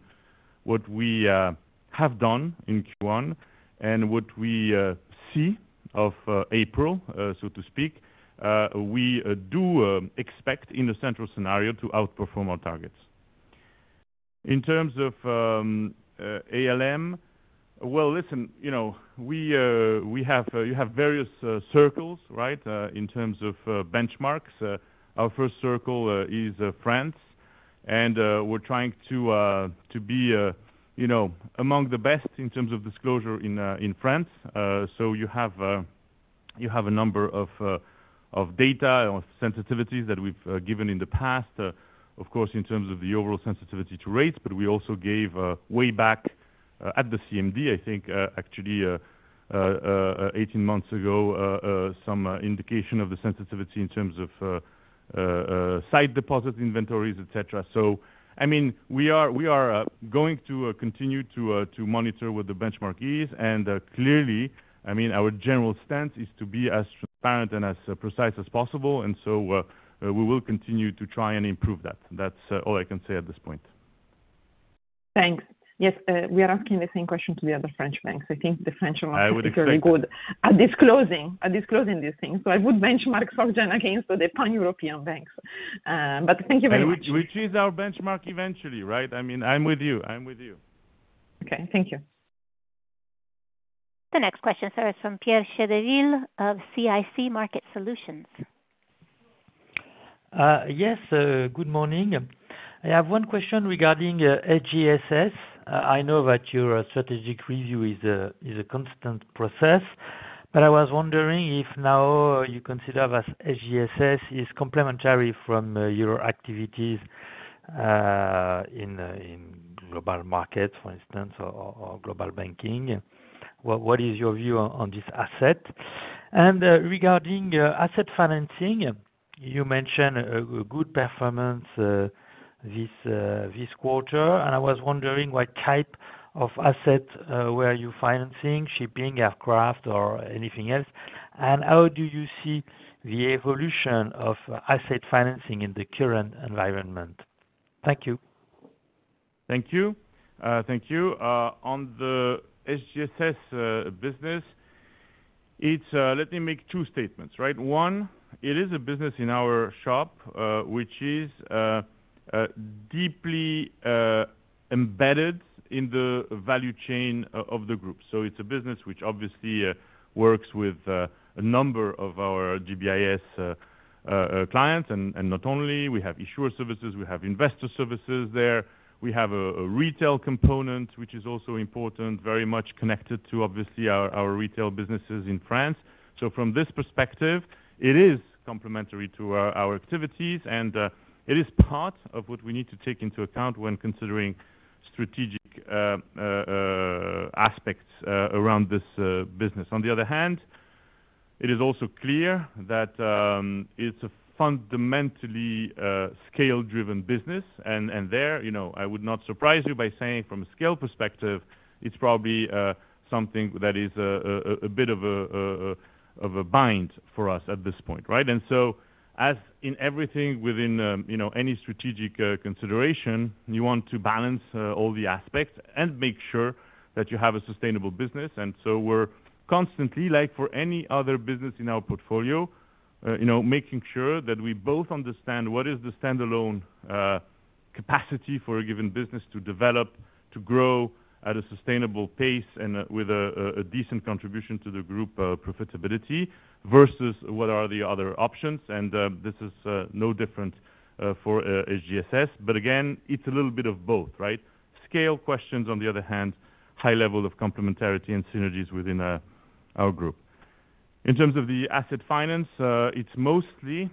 what we have done in Q1 and what we see of April, so to speak, we do expect in the central scenario to outperform our targets. In terms of ALM we have various circles, right, in terms of benchmarks. Our first circle is France. We're trying to be among the best in terms of disclosure in France. You have a number of data or sensitivities that we've given in the past, of course, in terms of the overall sensitivity to rates. We also gave way back at the CMD, I think, actually 18 months ago, some indication of the sensitivity in terms of side deposit inventories, etc. We are going to continue to monitor what the benchmark is. Clearly, Our general stance is to be as transparent and as precise as possible. We will continue to try and improve that. That's all I can say at this point. Thanks. Yes. We are asking the same question to the other French banks. I think the French are not particularly good at disclosing these things. I would benchmark Société Générale against the pan-European banks. Thank you very much. We choose our benchmark eventually, right? I'm with you. Okay. Thank you. The next question, sir, is from Pierre Chedeville of CIC Market Solutions. Yes. Good morning. I have one question regarding SGSS. I know that your strategic review is a constant process, but I was wondering if now you consider SGSS is complementary from your activities in global markets, for instance, or global banking. What is your view on this asset? Regarding asset financing, you mentioned a good performance this quarter. I was wondering what type of asset were you financing, shipping, aircraft, or anything else? How do you see the evolution of asset financing in the current environment? Thank you. Thank you. On the SGSS business, let me make two statements, right? One, it is a business in our shop, which is deeply embedded in the value chain of the group. It is a business which obviously works with a number of our GBIS clients and not only. We have issuer services. We have investor services there. We have a retail component, which is also important, very much connected to, obviously, our retail businesses in France. From this perspective, it is complementary to our activities. It is part of what we need to take into account when considering strategic aspects around this business. On the other hand, it is also clear that it's a fundamentally scale-driven business. There, I would not surprise you by saying from a scale perspective, it's probably something that is a bit of a bind for us at this point, right? As in everything within any strategic consideration, you want to balance all the aspects and make sure that you have a sustainable business. We are constantly, like for any other business in our portfolio, making sure that we both understand what is the standalone capacity for a given business to develop, to grow at a sustainable pace and with a decent contribution to the group profitability versus what are the other options. This is no different for SGSS. Again, it's a little bit of both, right? Scale questions, on the other hand, high level of complementarity and synergies within our group. In terms of the asset finance, it's mostly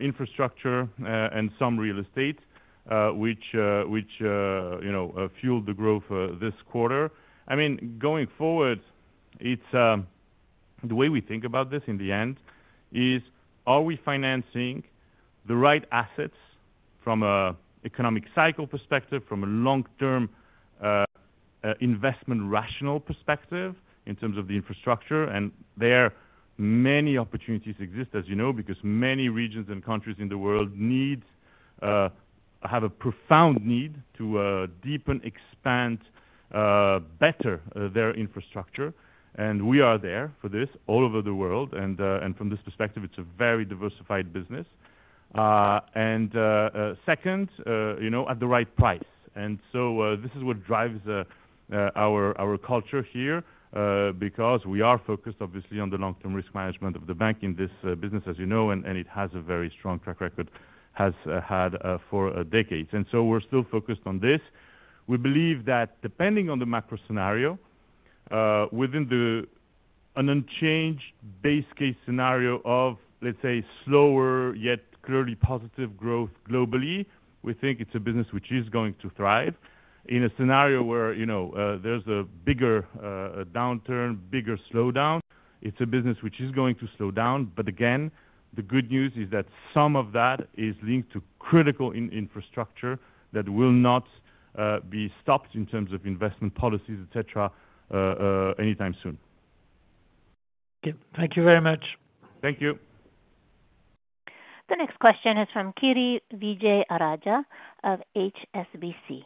infrastructure and some real estate, which fueled the growth this quarter. Going forward, the way we think about this in the end is, are we financing the right assets from an economic cycle perspective, from a long-term investment rational perspective in terms of the infrastructure? There, many opportunities exist, as you know, because many regions and countries in the world have a profound need to deepen, expand, better their infrastructure. We are there for this all over the world. From this perspective, it's a very diversified business. Second, at the right price. This is what drives our culture here because we are focused, obviously, on the long-term risk management of the bank in this business, as you know, and it has a very strong track record, has had for decades. We are still focused on this. We believe that depending on the macro scenario, within an unchanged base case scenario of, let's say, slower yet clearly positive growth globally, we think it's a business which is going to thrive. In a scenario where there's a bigger downturn, bigger slowdown, it's a business which is going to slow down. Again, the good news is that some of that is linked to critical infrastructure that will not be stopped in terms of investment policies, etc., anytime soon. Thank you very much. Thank you. The next question is from Kiri Vijayarajah of HSBC.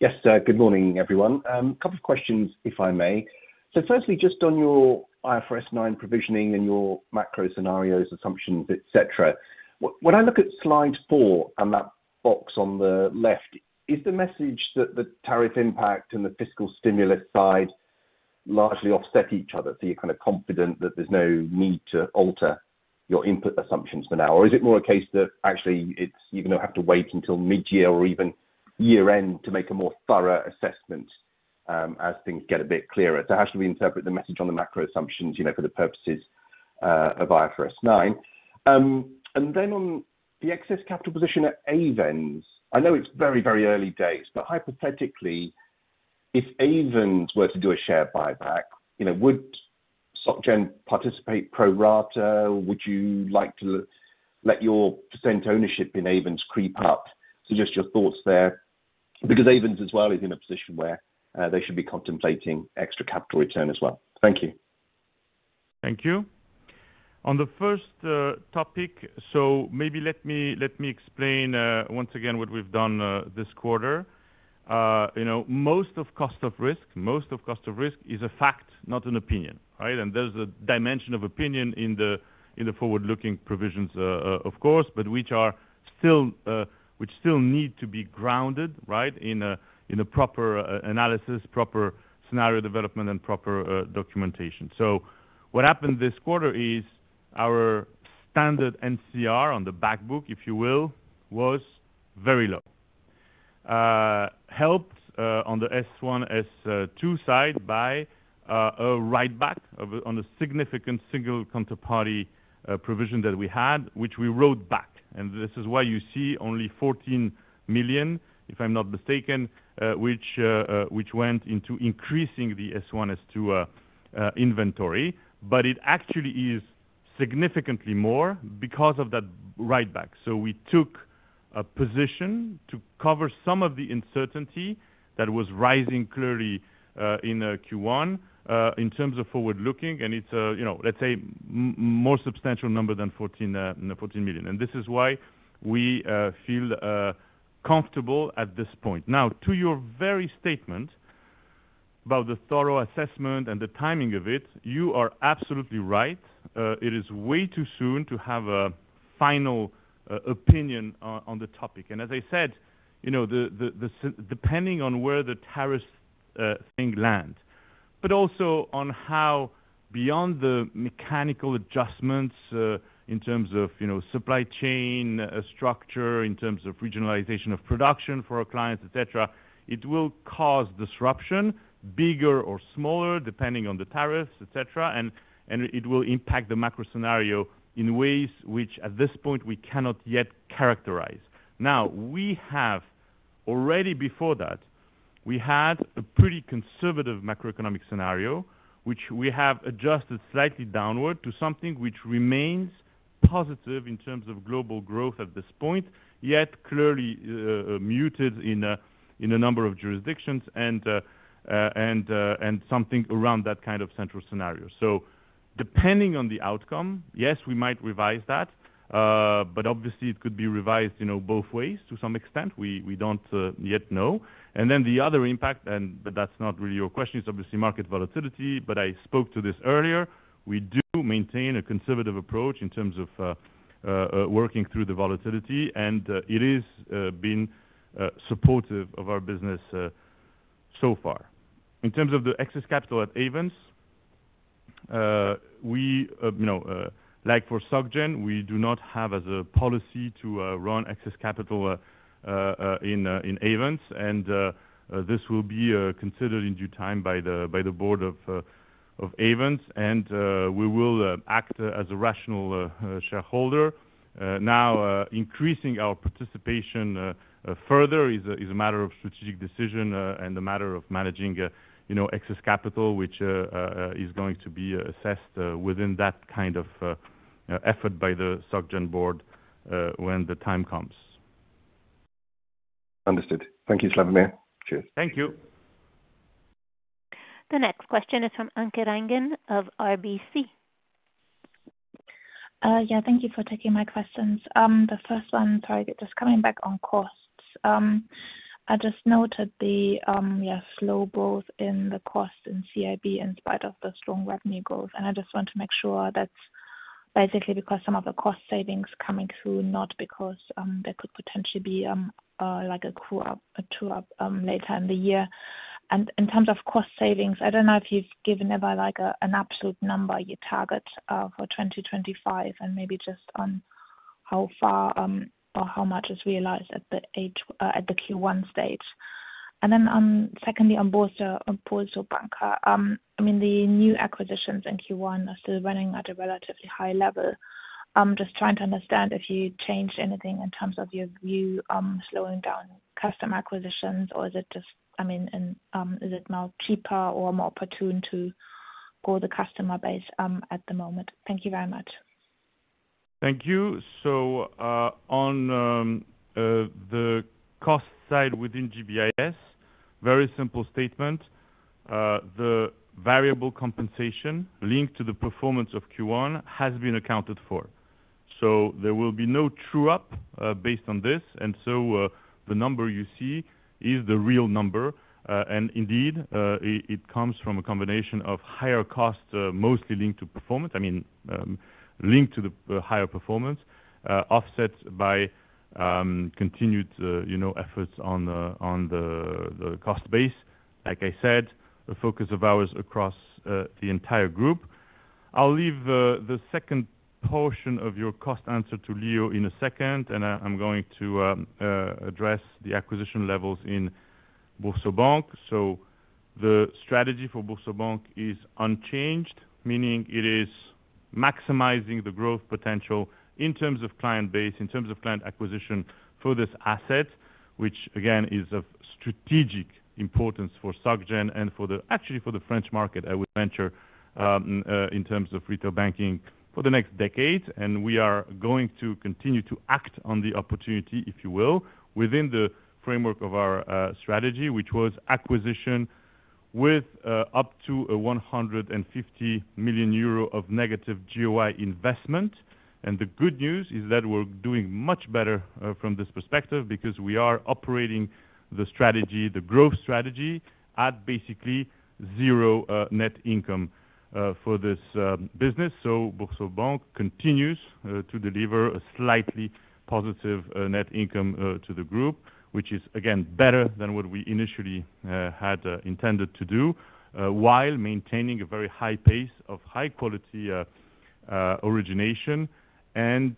Yes. Good morning, everyone. A couple of questions, if I may. Firstly, just on your IFRS 9 provisioning and your macro scenarios, assumptions, etc., when I look at slide four and that box on the left, is the message that the tariff impact and the fiscal stimulus side largely offset each other? You are kind of confident that there is no need to alter your input assumptions for now? Is it more a case that actually you are going to have to wait until mid-year or even year-end to make a more thorough assessment as things get a bit clearer? How should we interpret the message on the macro assumptions for the purposes of IFRS 9? On the excess capital position at Ayvens, I know it is very, very early days, but hypothetically, if Ayvens were to do a share buyback, would Société Générale participate pro rata? Would you like to let your percent ownership in Ayvens creep up? Just your thoughts there. Because Ayvens as well is in a position where they should be contemplating extra capital return as well. Thank you. Thank you. On the first topic, maybe let me explain once again what we've done this quarter. Most of cost of risk, most of cost of risk is a fact, not an opinion, right? There's a dimension of opinion in the forward-looking provisions, of course, but which still need to be grounded, right, in a proper analysis, proper scenario development, and proper documentation. What happened this quarter is our standard cost of risk on the backbook was very low. Helped on the S1, S2 side by a write-back on a significant single counterparty provision that we had, which we wrote back. This is why you see only 14 million, if I'm not mistaken, which went into increasing the S1, S2 inventory. It actually is significantly more because of that write-back. We took a position to cover some of the uncertainty that was rising clearly in Q1 in terms of forward-looking. It is, let's say, a more substantial number than 14 million. This is why we feel comfortable at this point. Now, to your very statement about the thorough assessment and the timing of it, you are absolutely right. It is way too soon to have a final opinion on the topic. As I said, depending on where the tariff thing lands, but also on how beyond the mechanical adjustments in terms of supply chain structure, in terms of regionalization of production for our clients, etc., it will cause disruption, bigger or smaller, depending on the tariffs, etc. It will impact the macro scenario in ways which at this point we cannot yet characterize. Already before that, we had a pretty conservative macroeconomic scenario, which we have adjusted slightly downward to something which remains positive in terms of global growth at this point, yet clearly muted in a number of jurisdictions and something around that kind of central scenario. Depending on the outcome, yes, we might revise that. Obviously, it could be revised both ways to some extent. We do not yet know. The other impact, but that is not really your question, is obviously market volatility. I spoke to this earlier. We do maintain a conservative approach in terms of working through the volatility. It has been supportive of our business so far. In terms of the excess capital at Ayvens, like for Société Générale, we do not have as a policy to run excess capital in Ayvens. This will be considered in due time by the board of Ayvens. We will act as a rational shareholder. Now, increasing our participation further is a matter of strategic decision and a matter of managing excess capital, which is going to be assessed within that kind of effort by the Société Générale board when the time comes. Understood. Thank you, Slawomir. Cheers. Thank you. The next question is from Anke Reingen of RBC. Yeah. Thank you for taking my questions. The first one, sorry, just coming back on costs. I just noted the slow growth in the cost in CIB in spite of the strong revenue growth. I just want to make sure that's basically because some of the cost savings coming through, not because there could potentially be a coup later in the year. In terms of cost savings, I don't know if you've given ever an absolute number you target for 2025 and maybe just on how far or how much is realized at the Q1 stage. Secondly, on Boursorama Bank. The new acquisitions in Q1 are still running at a relatively high level. I'm just trying to understand if you changed anything in terms of your view on slowing down customer acquisitions, or is it now cheaper or more opportune to grow the customer base at the moment? Thank you very much. Thank you. On the cost side within GBIS, very simple statement. The variable compensation linked to the performance of Q1 has been accounted for. There will be no true-up based on this. The number you see is the real number. It comes from a combination of higher cost, mostly linked to performance, offset by continued efforts on the cost base. Like I said, the focus of ours across the entire group. I'll leave the second portion of your cost answer to Leo in a second. I'm going to address the acquisition levels in Boursorama Bank. The strategy for Boursorama Bank is unchanged, meaning it is maximizing the growth potential in terms of client base, in terms of client acquisition for this asset, which, again, is of strategic importance for Société Générale and actually for the French market, I would venture, in terms of retail banking for the next decade. We are going to continue to act on the opportunity within the framework of our strategy, which was acquisition with up to 150 million euro of negative GOI investment. The good news is that we're doing much better from this perspective because we are operating the growth strategy at basically zero net income for this business. Boursorama Bank continues to deliver a slightly positive net income to the group, which is, again, better than what we initially had intended to do, while maintaining a very high pace of high-quality origination and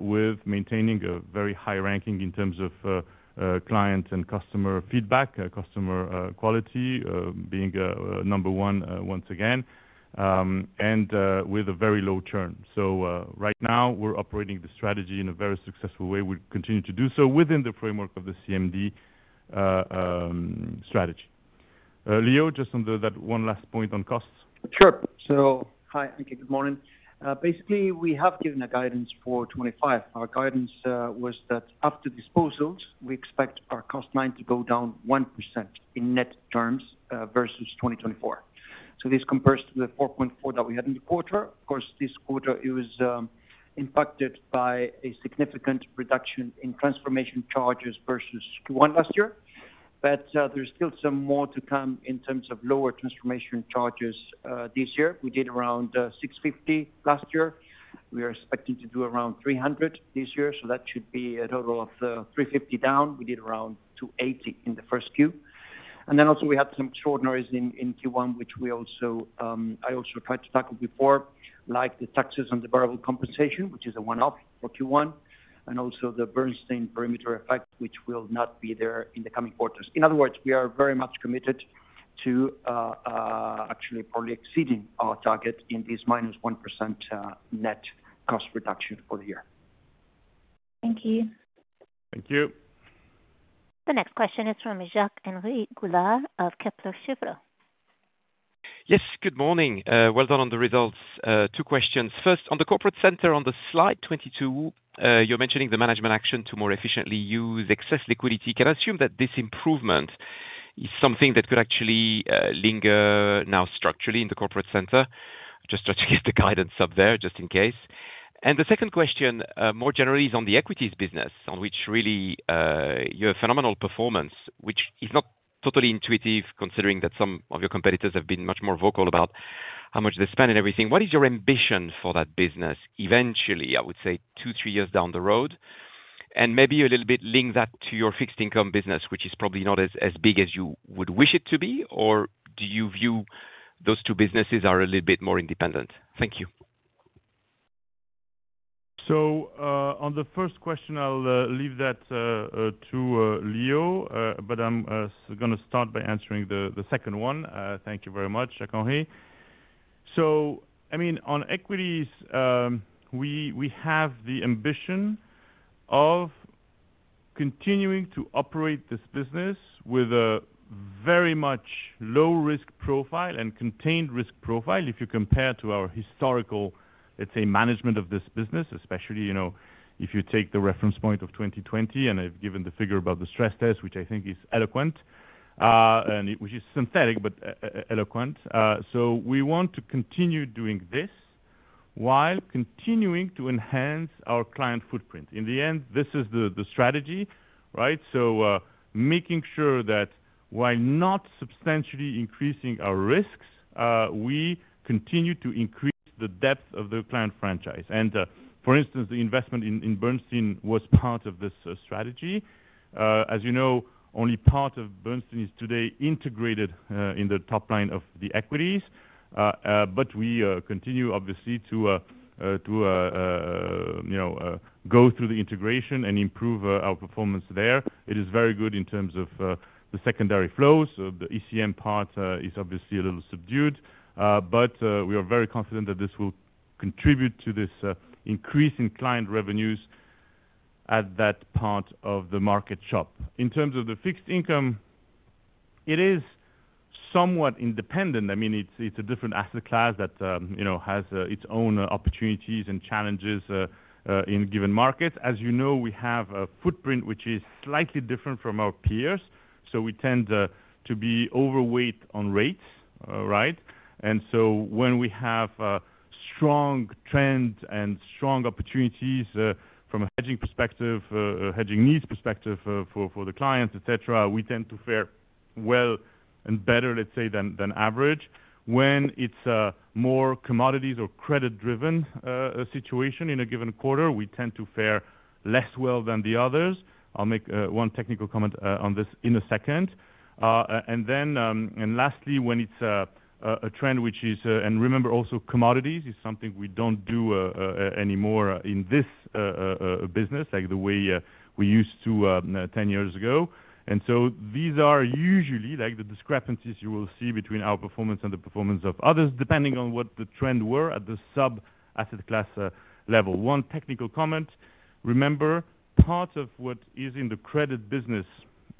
with maintaining a very high ranking in terms of client and customer feedback, customer quality being number one once again, and with a very low churn. Right now, we're operating the strategy in a very successful way. We continue to do so within the framework of the CMD strategy. Leo, just on that one last point on costs. Sure. Hi, Anke. Good morning. Basically, we have given a guidance for 2025. Our guidance was that after disposals, we expect our cost line to go down 1% in net terms versus 2024. This compares to the 4.4 that we had in the quarter. Of course, this quarter, it was impacted by a significant reduction in transformation charges versus Q1 last year. There is still some more to come in terms of lower transformation charges this year. We did around 650 million last year. We are expecting to do around 300 million this year. That should be a total of 350 million down. We did around 280 million in the first Q. Also, we had some extraordinaries in Q1, which I also tried to tackle before, like the taxes on the variable compensation, which is a one-off for Q1, and also the Bernstein perimeter effect, which will not be there in the coming quarters. In other words, we are very much committed to actually probably exceeding our target in this minus 1% net cost reduction for the year. Thank you. Thank you. The next question is from Jacques-Henri Gaulard of Kepler Cheuvreux. Yes. Good morning. Well done on the results. Two questions. First, on the corporate center on slide 22, you're mentioning the management action to more efficiently use excess liquidity. Can I assume that this improvement is something that could actually linger now structurally in the corporate center? Just trying to get the guidance up there just in case. The second question, more generally, is on the equities business, on which really you have phenomenal performance, which is not totally intuitive considering that some of your competitors have been much more vocal about how much they spend and everything. What is your ambition for that business eventually, I would say, two, three years down the road? Maybe a little bit link that to your fixed income business, which is probably not as big as you would wish it to be, or do you view those two businesses as a little bit more independent? Thank you. On the first question, I'll leave that to Leo, but I'm going to start by answering the second one. Thank you very much, Jacques Henry. On Equities, we have the ambition of continuing to operate this business with a very much low-risk profile and contained risk profile if you compare to our historical, let's say, management of this business, especially if you take the reference point of 2020. I've given the figure about the stress test, which I think is eloquent, which is synthetic but eloquent. We want to continue doing this while continuing to enhance our client footprint. In the end, this is the strategy, right? Making sure that while not substantially increasing our risks, we continue to increase the depth of the client franchise. For instance, the investment in Bernstein was part of this strategy. As you know, only part of Bernstein is today integrated in the top line of the equities. We continue, obviously, to go through the integration and improve our performance there. It is very good in terms of the secondary flows. The ECM part is obviously a little subdued. We are very confident that this will contribute to this increase in client revenues at that part of the market shop. In terms of the fixed income, it is somewhat independent. It is a different asset class that has its own opportunities and challenges in given markets. As you know, we have a footprint which is slightly different from our peers. We tend to be overweight on rates, right? When we have strong trends and strong opportunities from a hedging perspective, hedging needs perspective for the clients, etc., we tend to fare well and better, let's say, than average. When it is more commodities or credit-driven situation in a given quarter, we tend to fare less well than the others. I will make one technical comment on this in a second. Lastly, when it is a trend which is, and remember, also commodities is something we do not do anymore in this business, like the way we used to 10 years ago. These are usually the discrepancies you will see between our performance and the performance of others, depending on what the trend were at the sub-asset class level. One technical comment. Remember, part of what is in the credit business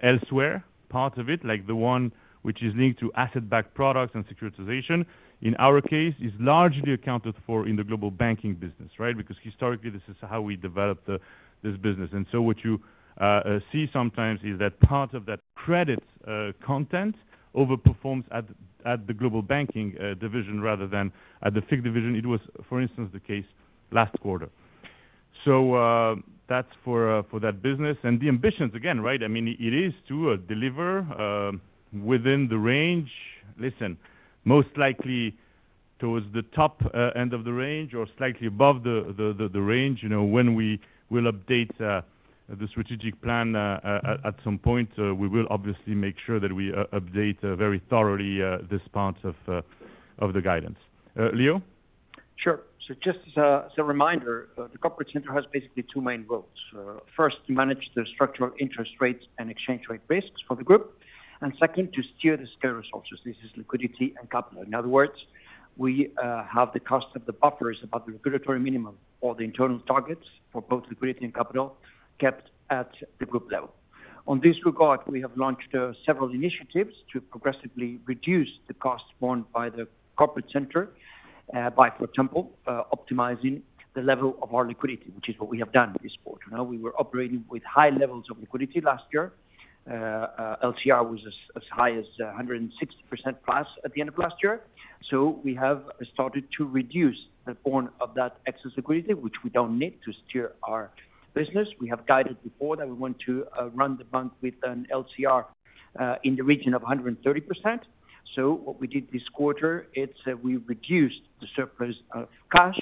elsewhere, part of it, like the one which is linked to asset-backed products and securitization, in our case, is largely accounted for in the global banking business, right? Because historically, this is how we developed this business. What you see sometimes is that part of that credit content overperforms at the global banking division rather than at the FIC division. It was, for instance, the case last quarter. That is for that business. The ambitions, again, right? It is to deliver within the range. Listen, most likely towards the top end of the range or slightly above the range when we will update the strategic plan at some point. We will obviously make sure that we update very thoroughly this part of the guidance. Leo? Sure. Just as a reminder, the corporate center has basically two main roles. First, to manage the structural interest rates and exchange rate risks for the group. Second, to steer the scale resources. This is liquidity and capital. In other words, we have the cost of the buffers above the regulatory minimum or the internal targets for both liquidity and capital kept at the group level. In this regard, we have launched several initiatives to progressively reduce the costs borne by the corporate center by, for example, optimizing the level of our liquidity, which is what we have done this quarter. We were operating with high levels of liquidity last year. LCR was as high as 160% plus at the end of last year. We have started to reduce the portion of that excess liquidity, which we do not need to steer our business. We have guided before that we want to run the bank with an LCR in the region of 130%. What we did this quarter, it's we reduced the surplus of cash,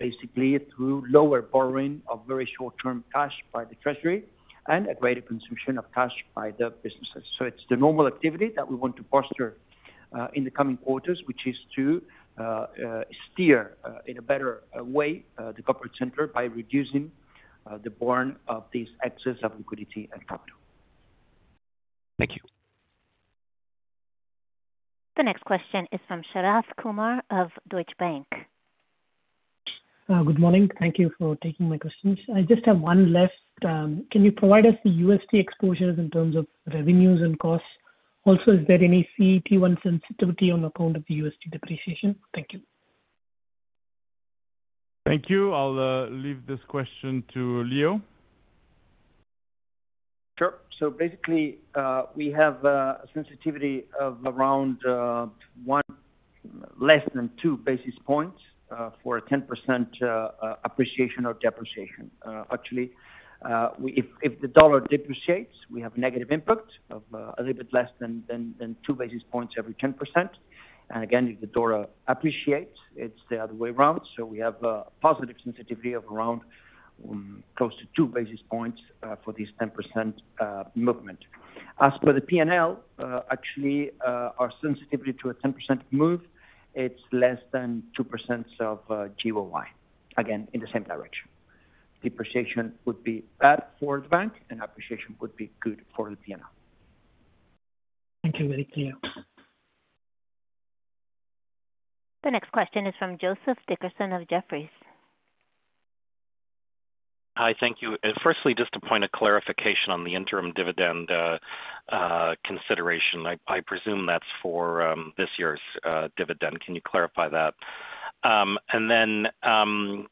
basically through lower borrowing of very short-term cash by the treasury and a greater consumption of cash by the businesses. It's the normal activity that we want to foster in the coming quarters, which is to steer in a better way the corporate center by reducing the borne of these excess of liquidity and capital. Thank you. The next question is from Sharath Kumar of Deutsche Bank. Good morning. Thank you for taking my questions. I just have one left. Can you provide us the USD exposures in terms of revenues and costs? Also, is there any CET1 sensitivity on account of the USD depreciation? Thank you. Thank you. I'll leave this question to Leo. Sure. Basically, we have a sensitivity of around less than two basis points for a 10% appreciation or depreciation. Actually, if the dollar depreciates, we have a negative impact of a little bit less than two basis points every 10%. Again, if the dollar appreciates, it's the other way around. We have a positive sensitivity of around close to two basis points for this 10% movement. As for the P&L, actually, our sensitivity to a 10% move, it's less than 2% of GOI. Again, in the same direction. Depreciation would be bad for the bank, and appreciation would be good for the P&L. Thank you very much, Leo. The next question is from Joseph Dickerson of Jefferies. Hi, thank you. Firstly, just a point of clarification on the interim dividend consideration. I presume that's for this year's dividend. Can you clarify that? Then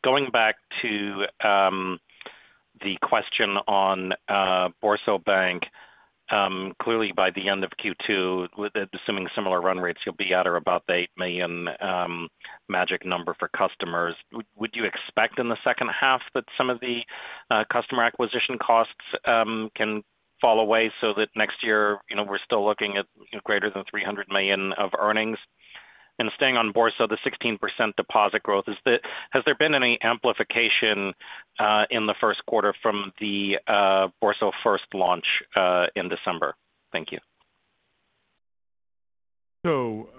going back to the question on Boursorama Bank, clearly by the end of Q2, assuming similar run rates, you'll be at or about the 8 million magic number for customers. Would you expect in the second half that some of the customer acquisition costs can fall away so that next year we're still looking at greater than 300 million of earnings? Staying on Boursorama's 16% deposit growth, has there been any amplification in the first quarter from the Boursorama First launch in December? Thank you.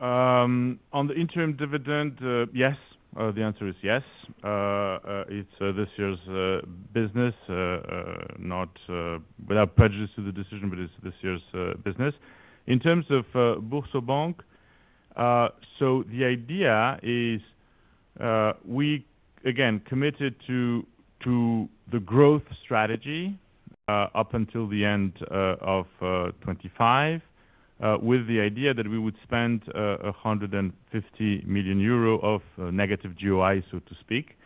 On the interim dividend, yes, the answer is yes. It's this year's business, not without prejudice to the decision, but it's this year's business. In terms of Boursorama Bank, the idea is we, again, committed to the growth strategy up until the end of 2025 with the idea that we would spend 150 million euro of negative GOI, so to speak.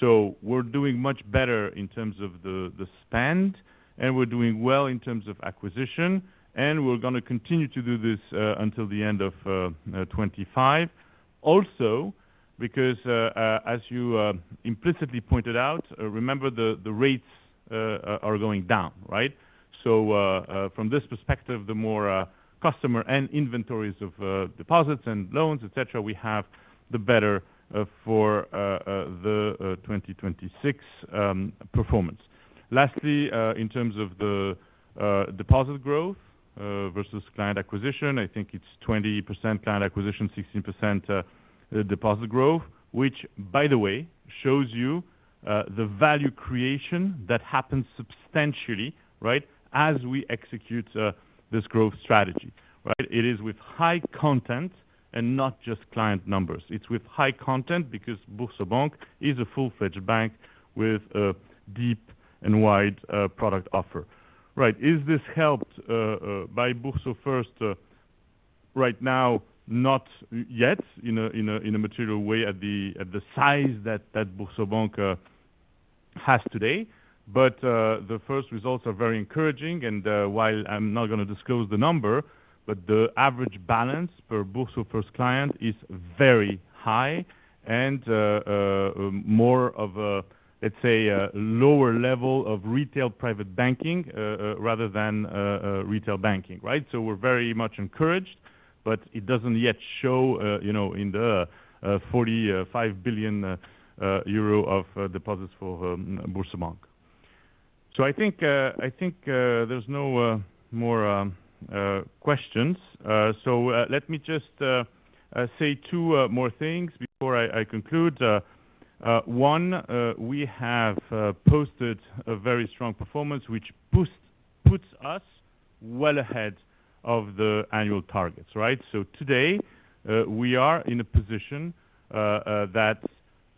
We are doing much better in terms of the spend, and we are doing well in terms of acquisition, and we are going to continue to do this until the end of 2025. Also, because as you implicitly pointed out, remember the rates are going down, right? From this perspective, the more customer and inventories of deposits and loans, etc., we have the better for the 2026 performance. Lastly, in terms of the deposit growth versus client acquisition, I think it is 20% client acquisition, 16% deposit growth, which, by the way, shows you the value creation that happens substantially, right, as we execute this growth strategy, right? It is with high content and not just client numbers. It is with high content because Boursorama Bank is a full-fledged bank with a deep and wide product offer. Right. Is this helped by Boursorama First right now? Not yet in a material way at the size that Boursorama Bank has today. The first results are very encouraging. While I am not going to disclose the number, the average balance per Boursorama First client is very high and more of a, let's say, lower level of retail private banking rather than retail banking, right? We are very much encouraged, but it does not yet show in the 45 billion euro of deposits for Boursorama Bank. I think there are no more questions. Let me just say two more things before I conclude. One, we have posted a very strong performance, which puts us well ahead of the annual targets, right? Today, we are in a position that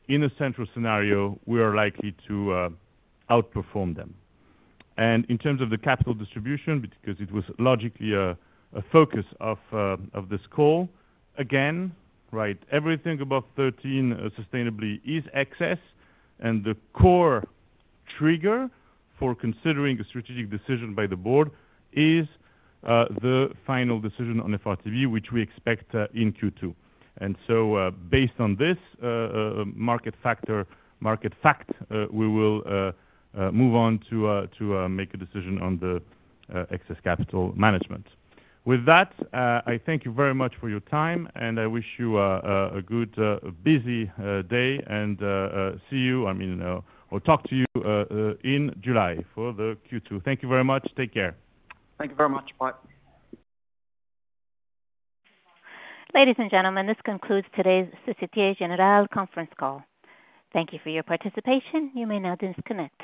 in a central scenario, we are likely to outperform them. In terms of the capital distribution, because it was logically a focus of this call, again, right, everything above 13% sustainably is excess. The core trigger for considering a strategic decision by the board is the final decision on FRTB, which we expect in Q2. Based on this market factor, market fact, we will move on to make a decision on the excess capital management. With that, I thank you very much for your time, and I wish you a good, busy day and see you or talk to you in July for the Q2. Thank you very much. Take care. Thank you very much, bye. Ladies and gentlemen, this concludes today's Société Générale conference call. Thank you for your participation. You may now disconnect.